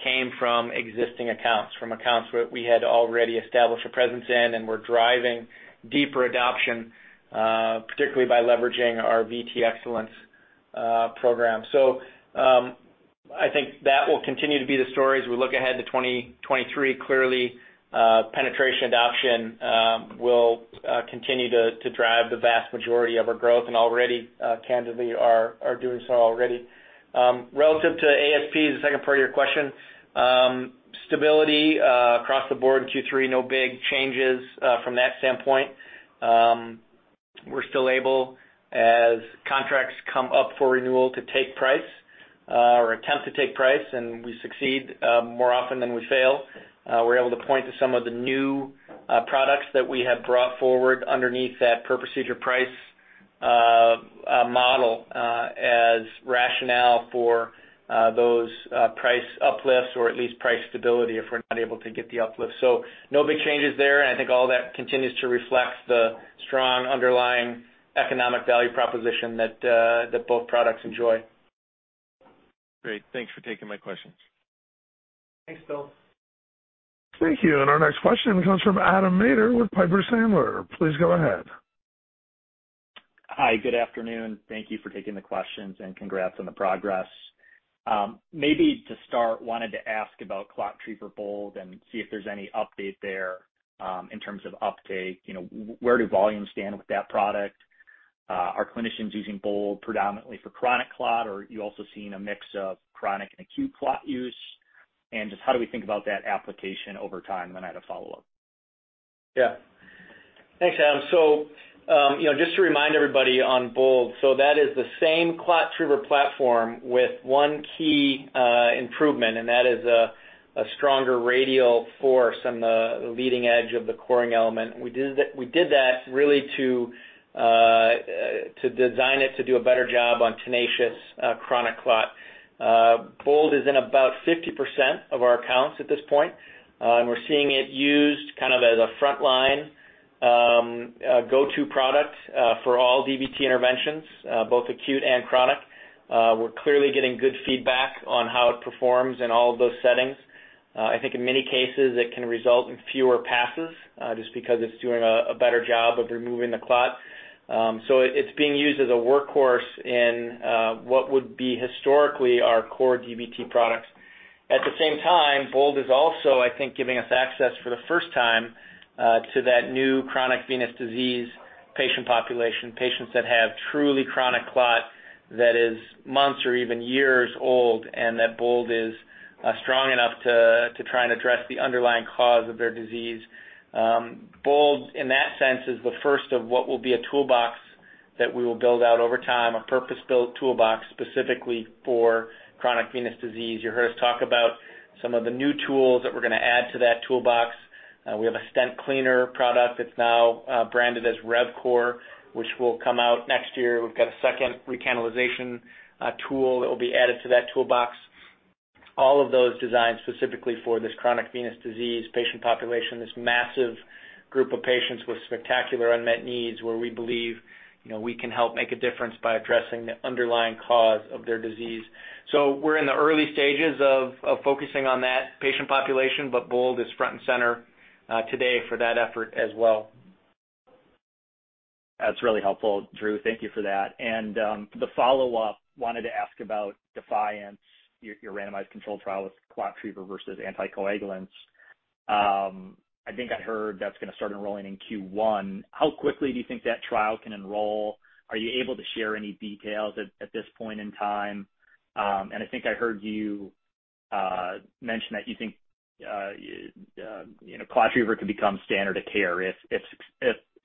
came from existing accounts, from accounts where we had already established a presence in and we're driving deeper adoption, particularly by leveraging our VTE Excellence program. I think that will continue to be the story as we look ahead to 2023. Clearly, penetration adoption will continue to drive the vast majority of our growth and already, candidly, are doing so already. Relative to ASP is the second part of your question. Stability across the board in Q3, no big changes from that standpoint. We're still able, as contracts come up for renewal, to take price or attempt to take price, and we succeed more often than we fail. We're able to point to some of the new products that we have brought forward underneath that per procedure price model as rationale for those price uplifts or at least price stability if we're not able to get the uplift. No big changes there, and I think all that continues to reflect the strong underlying economic value proposition that both products enjoy. Great. Thanks for taking my questions. Thanks, Bill. Thank you. Our next question comes from Adam Maeder with Piper Sandler. Please go ahead. Hi, good afternoon. Thank you for taking the questions, and congrats on the progress. Maybe to start, wanted to ask about ClotTriever BOLD and see if there's any update there, in terms of uptake. You know, where do volumes stand with that product? Are clinicians using BOLD predominantly for chronic clot, or are you also seeing a mix of chronic and acute clot use? And just how do we think about that application over time? And then I had a follow-up. Yeah. Thanks, Adam. You know, just to remind everybody on BOLD, that is the same ClotTriever platform with one key improvement, and that is a stronger radial force on the leading edge of the coring element. We did that really to design it to do a better job on tenacious chronic clot. BOLD is in about 50% of our accounts at this point. We're seeing it used kind of as a frontline go-to product for all DVT interventions, both acute and chronic. We're clearly getting good feedback on how it performs in all of those settings. I think in many cases, it can result in fewer passes just because it's doing a better job of removing the clot. It's being used as a workhorse in what would be historically our core DVT products. At the same time, BOLD is also, I think, giving us access for the first time to that new chronic venous disease patient population. Patients that have truly chronic clot that is months or even years old, and that BOLD is strong enough to try and address the underlying cause of their disease. BOLD, in that sense, is the first of what will be a toolbox that we will build out over time, a purpose-built toolbox specifically for chronic venous disease. You heard us talk about some of the new tools that we're gonna add to that toolbox. We have a stent cleaner product that's now branded as RevCore, which will come out next year. We've got a second recanalization tool that will be added to that toolbox. All of those designed specifically for this chronic venous disease patient population. This massive group of patients with spectacular unmet needs where we believe, you know, we can help make a difference by addressing the underlying cause of their disease. We're in the early stages of focusing on that patient population, but BOLD is front and center today for that effort as well. That's really helpful, Drew. Thank you for that. The follow-up, wanted to ask about DEFIANCE, your randomized controlled trial with ClotTriever versus anticoagulants. I think I heard that's gonna start enrolling in Q1. How quickly do you think that trial can enroll? Are you able to share any details at this point in time? I think I heard you mention that you think, you know, ClotTriever could become standard of care if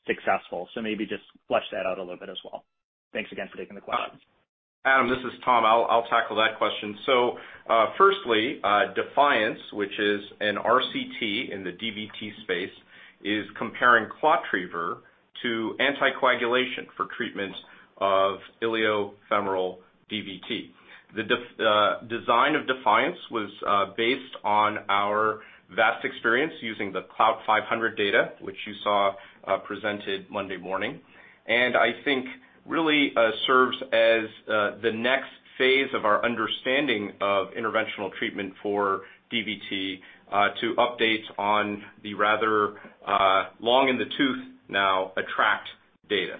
successful. Maybe just flesh that out a little bit as well. Thanks again for taking the questions. Adam, this is Tom. I'll tackle that question. Firstly, DEFIANCE, which is an RCT in the DVT space, is comparing ClotTriever to anticoagulation for treatment of iliofemoral DVT. The design of DEFIANCE was based on our vast experience using the CLOUT registry data, which you saw presented Monday morning. I think really serves as the next phase of our understanding of interventional treatment for DVT to updates on the rather long in the tooth now ATTRACT data.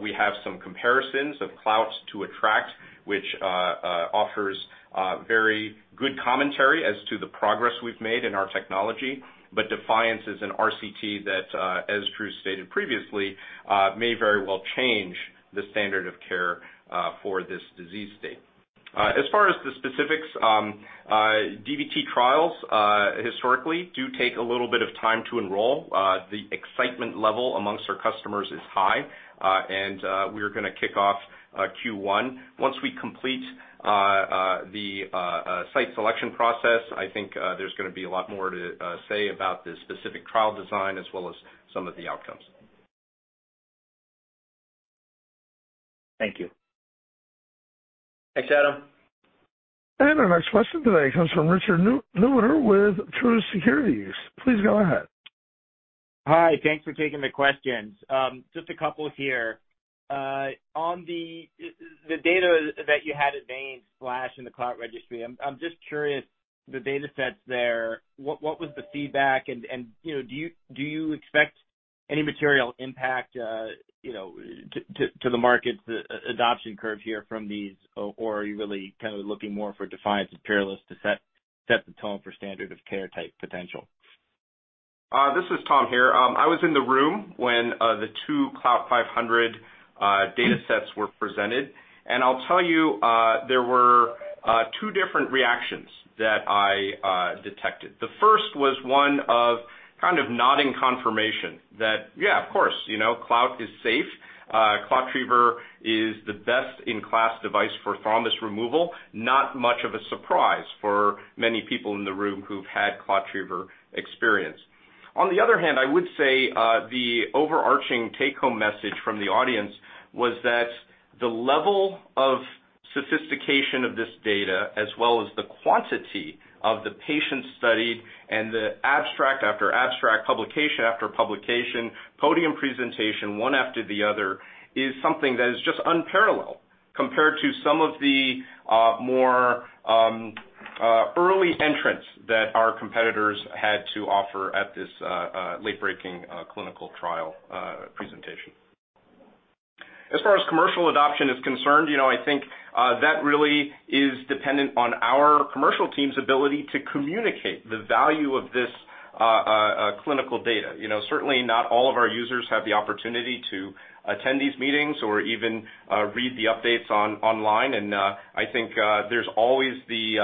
We have some comparisons of CLOUT to ATTRACT, which offers very good commentary as to the progress we've made in our technology. DEFIANCE is an RCT that, as Drew stated previously, may very well change the standard of care for this disease state. As far as the specifics, DVT trials historically do take a little bit of time to enroll. The excitement level among our customers is high, and we're gonna kick off Q1. Once we complete the site selection process, I think there's gonna be a lot more to say about the specific trial design as well as some of the outcomes. Thank you. Thanks, Adam. Our next question today comes from Richard Newitter with Truist Securities. Please go ahead. Hi. Thanks for taking the questions. Just a couple here. On the data that you had at VIVA and The VEINS last in the CLOUT registry, I'm just curious, the data sets there, what was the feedback and, you know, do you expect any material impact, you know, to the market's adoption curve here from these, or are you really kind of looking more for DEFIANCE, PEERLESS to set the tone for standard of care type potential? This is Tom here. I was in the room when the two CLOUT 500 data sets were presented. I'll tell you, there were two different reactions that I detected. The first was one of kind of nodding confirmation that, yeah, of course, you know, ClotTriever is safe. ClotTriever is the best in class device for thrombus removal. Not much of a surprise for many people in the room who've had ClotTriever experience. On the other hand, I would say the overarching take-home message from the audience was that the level of sophistication of this data, as well as the quantity of the patients studied and the abstract after abstract, publication after publication, podium presentation one after the other, is something that is just unparalleled compared to some of the more early entrants that our competitors had to offer at this late-breaking clinical trial presentation. As far as commercial adoption is concerned, you know, I think that really is dependent on our commercial team's ability to communicate the value of this clinical data. You know, certainly not all of our users have the opportunity to attend these meetings or even read the updates online. I think there's always the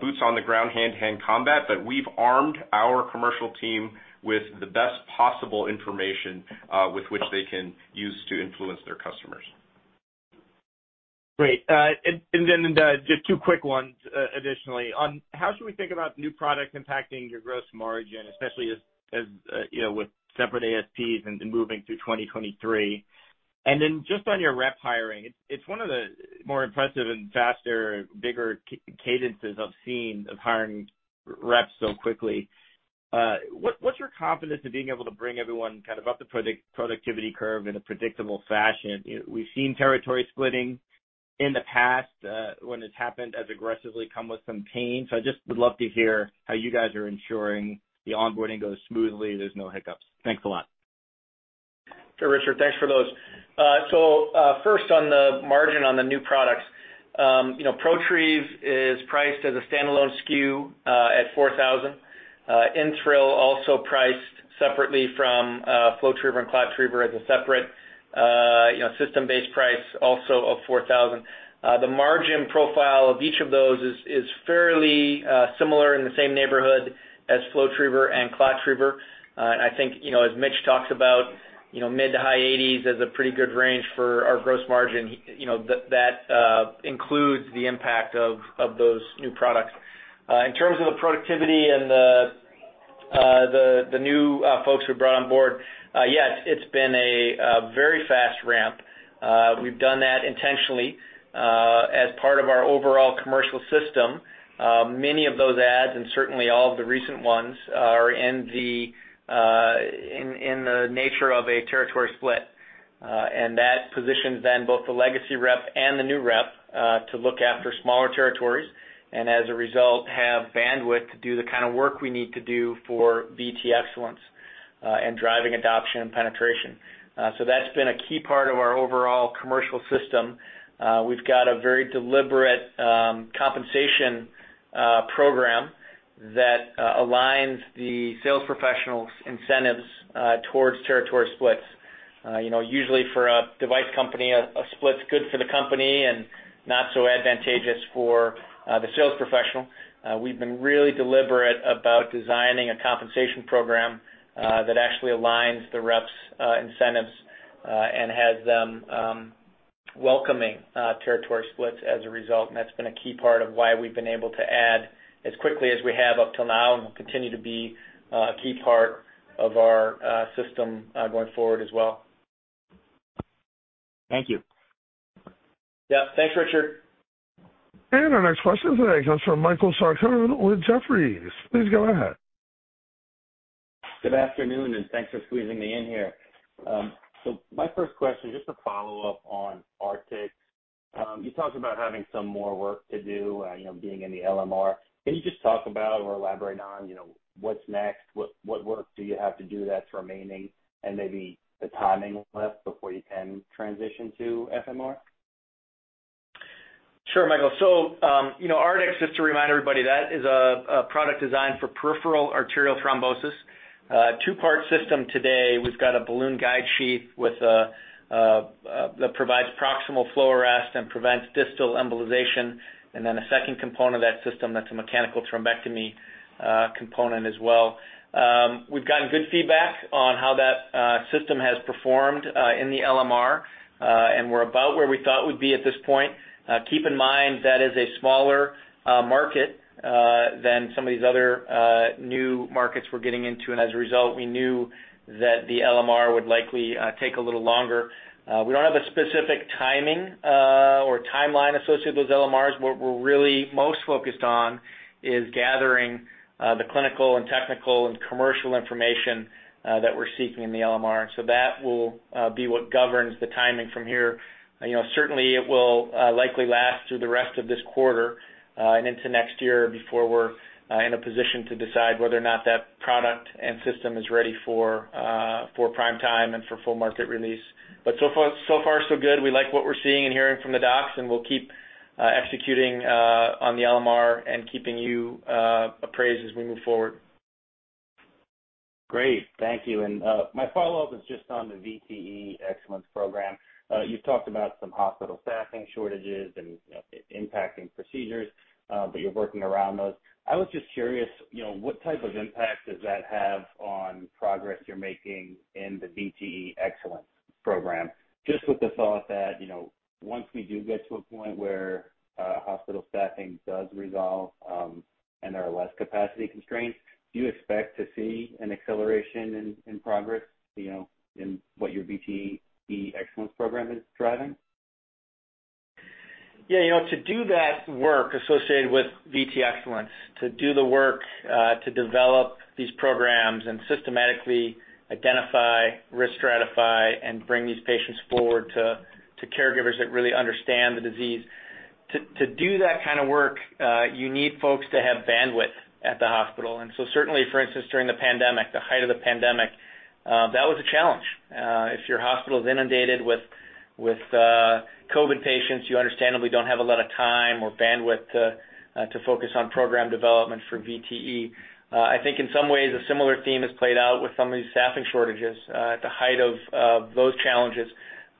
boots on the ground hand-to-hand combat, but we've armed our commercial team with the best possible information with which they can use to influence their customers. Great. Then just two quick ones additionally. On how should we think about new product impacting your gross margin, especially as you know, with separate ASPs and moving through 2023. Then just on your rep hiring, it's one of the more impressive and faster, bigger cadences I've seen of hiring reps so quickly. What is your confidence in being able to bring everyone kind of up the productivity curve in a predictable fashion? You know, we've seen territory splitting in the past when it's happened as aggressively come with some pain. I just would love to hear how you guys are ensuring the onboarding goes smoothly, there's no hiccups. Thanks a lot. Sure, Richard, thanks for those. First on the margin on the new products, you know, ProTrieve is priced as a standalone SKU at $4,000. InThrill also priced separately from FlowTriever and ClotTriever as a separate, you know, system-based price also of $4,000. The margin profile of each of those is fairly similar in the same neighborhood as FlowTriever and ClotTriever. I think, you know, as Mitch talks about, you know, mid- to high-80s% is a pretty good range for our gross margin. You know, that includes the impact of those new products. In terms of the productivity and the new folks we brought on board, yes, it's been a very fast ramp. We've done that intentionally as part of our overall commercial system. Many of those adds, and certainly all of the recent ones are in the nature of a territory split. That positions both the legacy rep and the new rep to look after smaller territories, and as a result, have bandwidth to do the kind of work we need to do for VTE Excellence and driving adoption and penetration. That's been a key part of our overall commercial system. We've got a very deliberate compensation program that aligns the sales professionals' incentives towards territory splits. You know, usually for a device company, a split's good for the company and not so advantageous for the sales professional. We've been really deliberate about designing a compensation program that actually aligns the reps' incentives and has them welcoming territory splits as a result. That's been a key part of why we've been able to add as quickly as we have up till now and will continue to be a key part of our system going forward as well. Thank you. Yeah. Thanks, Richard. Our next question today comes from Michael Sarcone with Jefferies. Please go ahead. Good afternoon, and thanks for squeezing me in here. My first question, just to follow up on Artix. You talked about having some more work to do, you know, being in the LMR. Can you just talk about or elaborate on, you know, what's next, what work do you have to do that's remaining and maybe the timing left before you can transition to FMR? Sure, Michael. You know, Artix, just to remind everybody, that is a product designed for peripheral arterial thrombosis. Two-part system today. We've got a balloon guide sheath with that provides proximal flow arrest and prevents distal embolization. A second component of that system that's a mechanical thrombectomy component as well. We've gotten good feedback on how that system has performed in the LMR. We're about where we thought we'd be at this point. Keep in mind, that is a smaller market than some of these other new markets we're getting into. As a result, we knew that the LMR would likely take a little longer. We don't have a specific timing or timeline associated with LMRs. What we're really most focused on is gathering the clinical and technical and commercial information that we're seeking in the LMR. That will be what governs the timing from here. You know, certainly it will likely last through the rest of this quarter and into next year before we're in a position to decide whether or not that product and system is ready for prime time and for full market release. So far so good. We like what we're seeing and hearing from the docs, and we'll keep executing on the LMR and keeping you appraised as we move forward. Great. Thank you. My follow-up is just on the VTE Excellence program. You've talked about some hospital staffing shortages and, you know, impacting procedures, but you're working around those. I was just curious, you know, what type of impact does that have on progress you're making in the VTE Excellence program? Just with the thought that, you know, once we do get to a point where, hospital staffing does resolve, and there are less capacity constraints, do you expect to see an acceleration in progress, you know, in what your VTE Excellence program is driving? Yeah. You know, to do that work associated with VTE Excellence, to develop these programs and systematically identify, risk stratify, and bring these patients forward to caregivers that really understand the disease. To do that kind of work, you need folks to have bandwidth at the hospital. Certainly, for instance, during the pandemic, the height of the pandemic, that was a challenge. If your hospital is inundated with COVID patients, you understandably don't have a lot of time or bandwidth to focus on program development for VTE. I think in some ways a similar theme has played out with some of these staffing shortages. At the height of those challenges,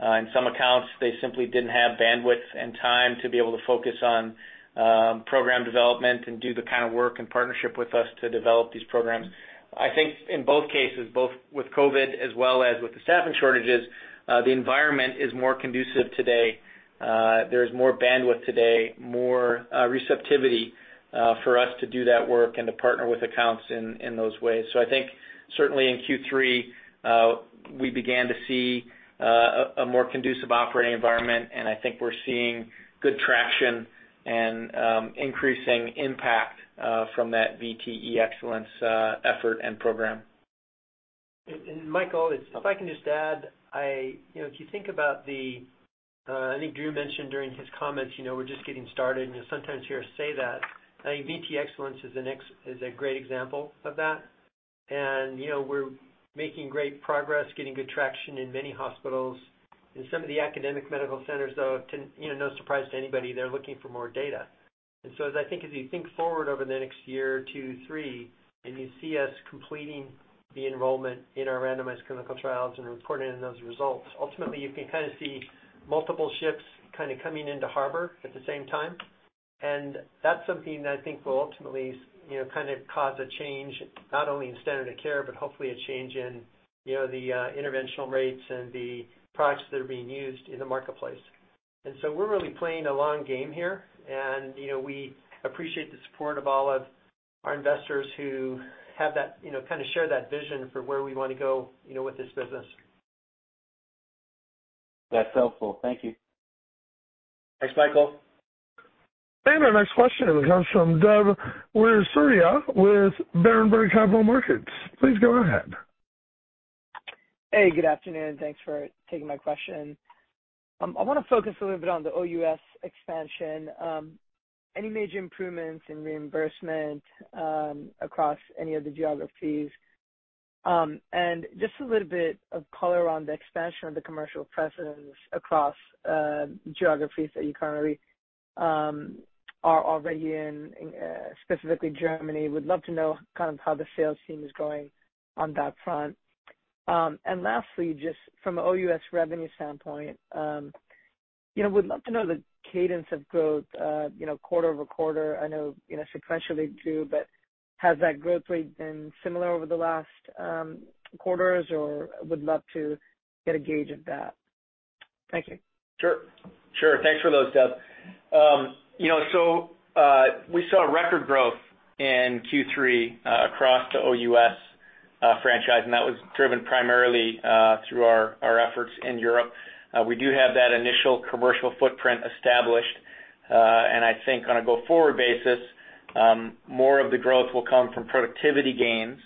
in some accounts, they simply didn't have bandwidth and time to be able to focus on program development and do the kind of work and partnership with us to develop these programs. I think in both cases, both with COVID as well as with the staffing shortages, the environment is more conducive today. There's more bandwidth today, more receptivity for us to do that work and to partner with accounts in those ways. I think certainly in Q3, we began to see a more conducive operating environment, and I think we're seeing good traction and increasing impact from that VTE Excellence effort and program. Michael, if I can just add. You know, if you think about the, I think Drew mentioned during his comments, you know, we're just getting started, and sometimes hear us say that. I think VTE Excellence is the next is a great example of that. You know, we're making great progress, getting good traction in many hospitals. In some of the academic medical centers, though, to, you know, no surprise to anybody, they're looking for more data. So as you think forward over the next year or two, three, and you see us completing the enrollment in our randomized clinical trials and reporting those results. Ultimately, you can kinda see multiple ships kinda coming into harbor at the same time. That's something that I think will ultimately, you know, kinda cause a change not only in standard of care, but hopefully a change in, you know, the interventional rates and the products that are being used in the marketplace. We're really playing a long game here. You know, we appreciate the support of all of our investors who have that, you know, kinda share that vision for where we wanna go, you know, with this business. That's helpful. Thank you. Thanks, Michael. Our next question comes from Dev Weerasuriya with Berenberg Capital Markets. Please go ahead. Hey, good afternoon. Thanks for taking my question. I wanna focus a little bit on the OUS expansion. Any major improvements in reimbursement across any of the geographies? Just a little bit of color on the expansion of the commercial presence across geographies that you currently are already in, specifically Germany. Would love to know kind of how the sales team is going on that front. Lastly, just from a OUS revenue standpoint, you know, would love to know the cadence of growth, you know, quarter-over-quarter. I know, you know, sequentially too, but has that growth rate been similar over the last quarters, or would love to get a gauge of that. Thank you. Sure. Thanks for those, Dev. We saw record growth in Q3 across the OUS franchise, and that was driven primarily through our efforts in Europe. We do have that initial commercial footprint established. I think on a go-forward basis, more of the growth will come from productivity gains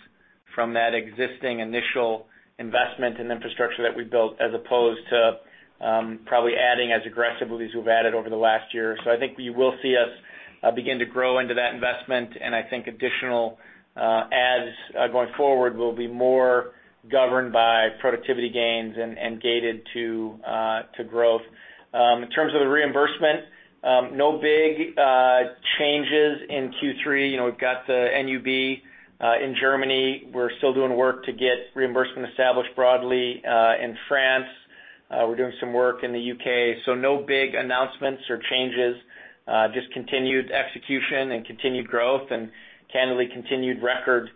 from that existing initial investment and infrastructure that we built, as opposed to probably adding as aggressively as we've added over the last year. I think you will see us begin to grow into that investment, and I think additional adds going forward will be more governed by productivity gains and gated to growth. In terms of the reimbursement, no big changes in Q3. You know, we've got the NUB in Germany. We're still doing work to get reimbursement established broadly in France. We're doing some work in the U.K.. No big announcements or changes, just continued execution and continued growth and candidly continued record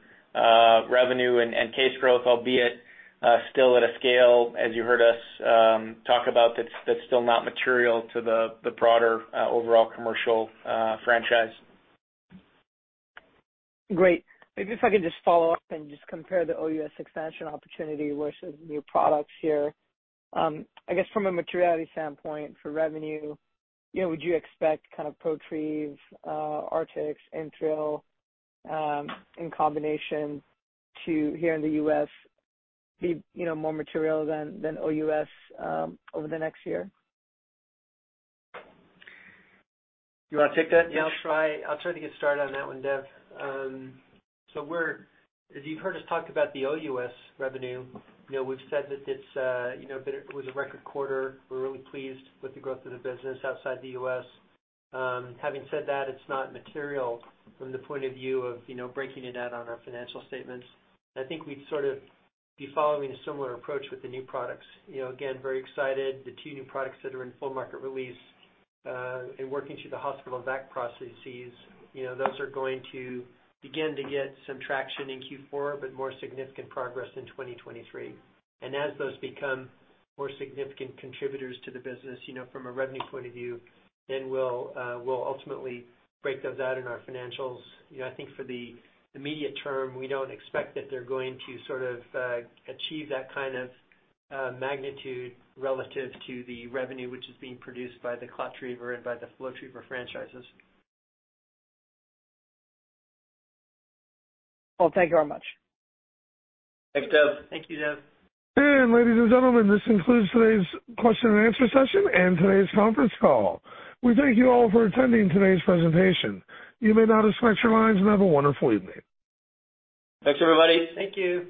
revenue and case growth, albeit still at a scale, as you heard us talk about, that's still not material to the broader overall commercial franchise. Great. Maybe if I could just follow up and just compare the OUS expansion opportunity versus new products here. I guess from a materiality standpoint for revenue, you know, would you expect kind of ProTrieve, Artix, InThrill, in combination to here in the U.S. be, you know, more material than OUS over the next year? You wanna take that, Mitch? Yeah, I'll try to get started on that one, Dev. As you've heard us talk about the OUS revenue, you know, we've said that it's been a record quarter. We're really pleased with the growth of the business outside the U.S.. Having said that, it's not material from the point of view of, you know, breaking it out on our financial statements. I think we'd sort of be following a similar approach with the new products. You know, again, very excited. The two new products that are in full market release and working through the hospital VAC processes, you know, those are going to begin to get some traction in Q4, but more significant progress in 2023. As those become more significant contributors to the business, you know, from a revenue point of view, then we'll ultimately break those out in our financials. You know, I think for the immediate term, we don't expect that they're going to sort of achieve that kind of magnitude relative to the revenue which is being produced by the ClotTriever and by the FlowTriever franchises. Well, thank you very much. Thanks, Dev. Thank you, Dev. Ladies and gentlemen, this concludes today's Q& session and today's Conference Call. We thank you all for attending today's presentation. You may now disconnect your lines and have a wonderful evening. Thanks, everybody. Thank you.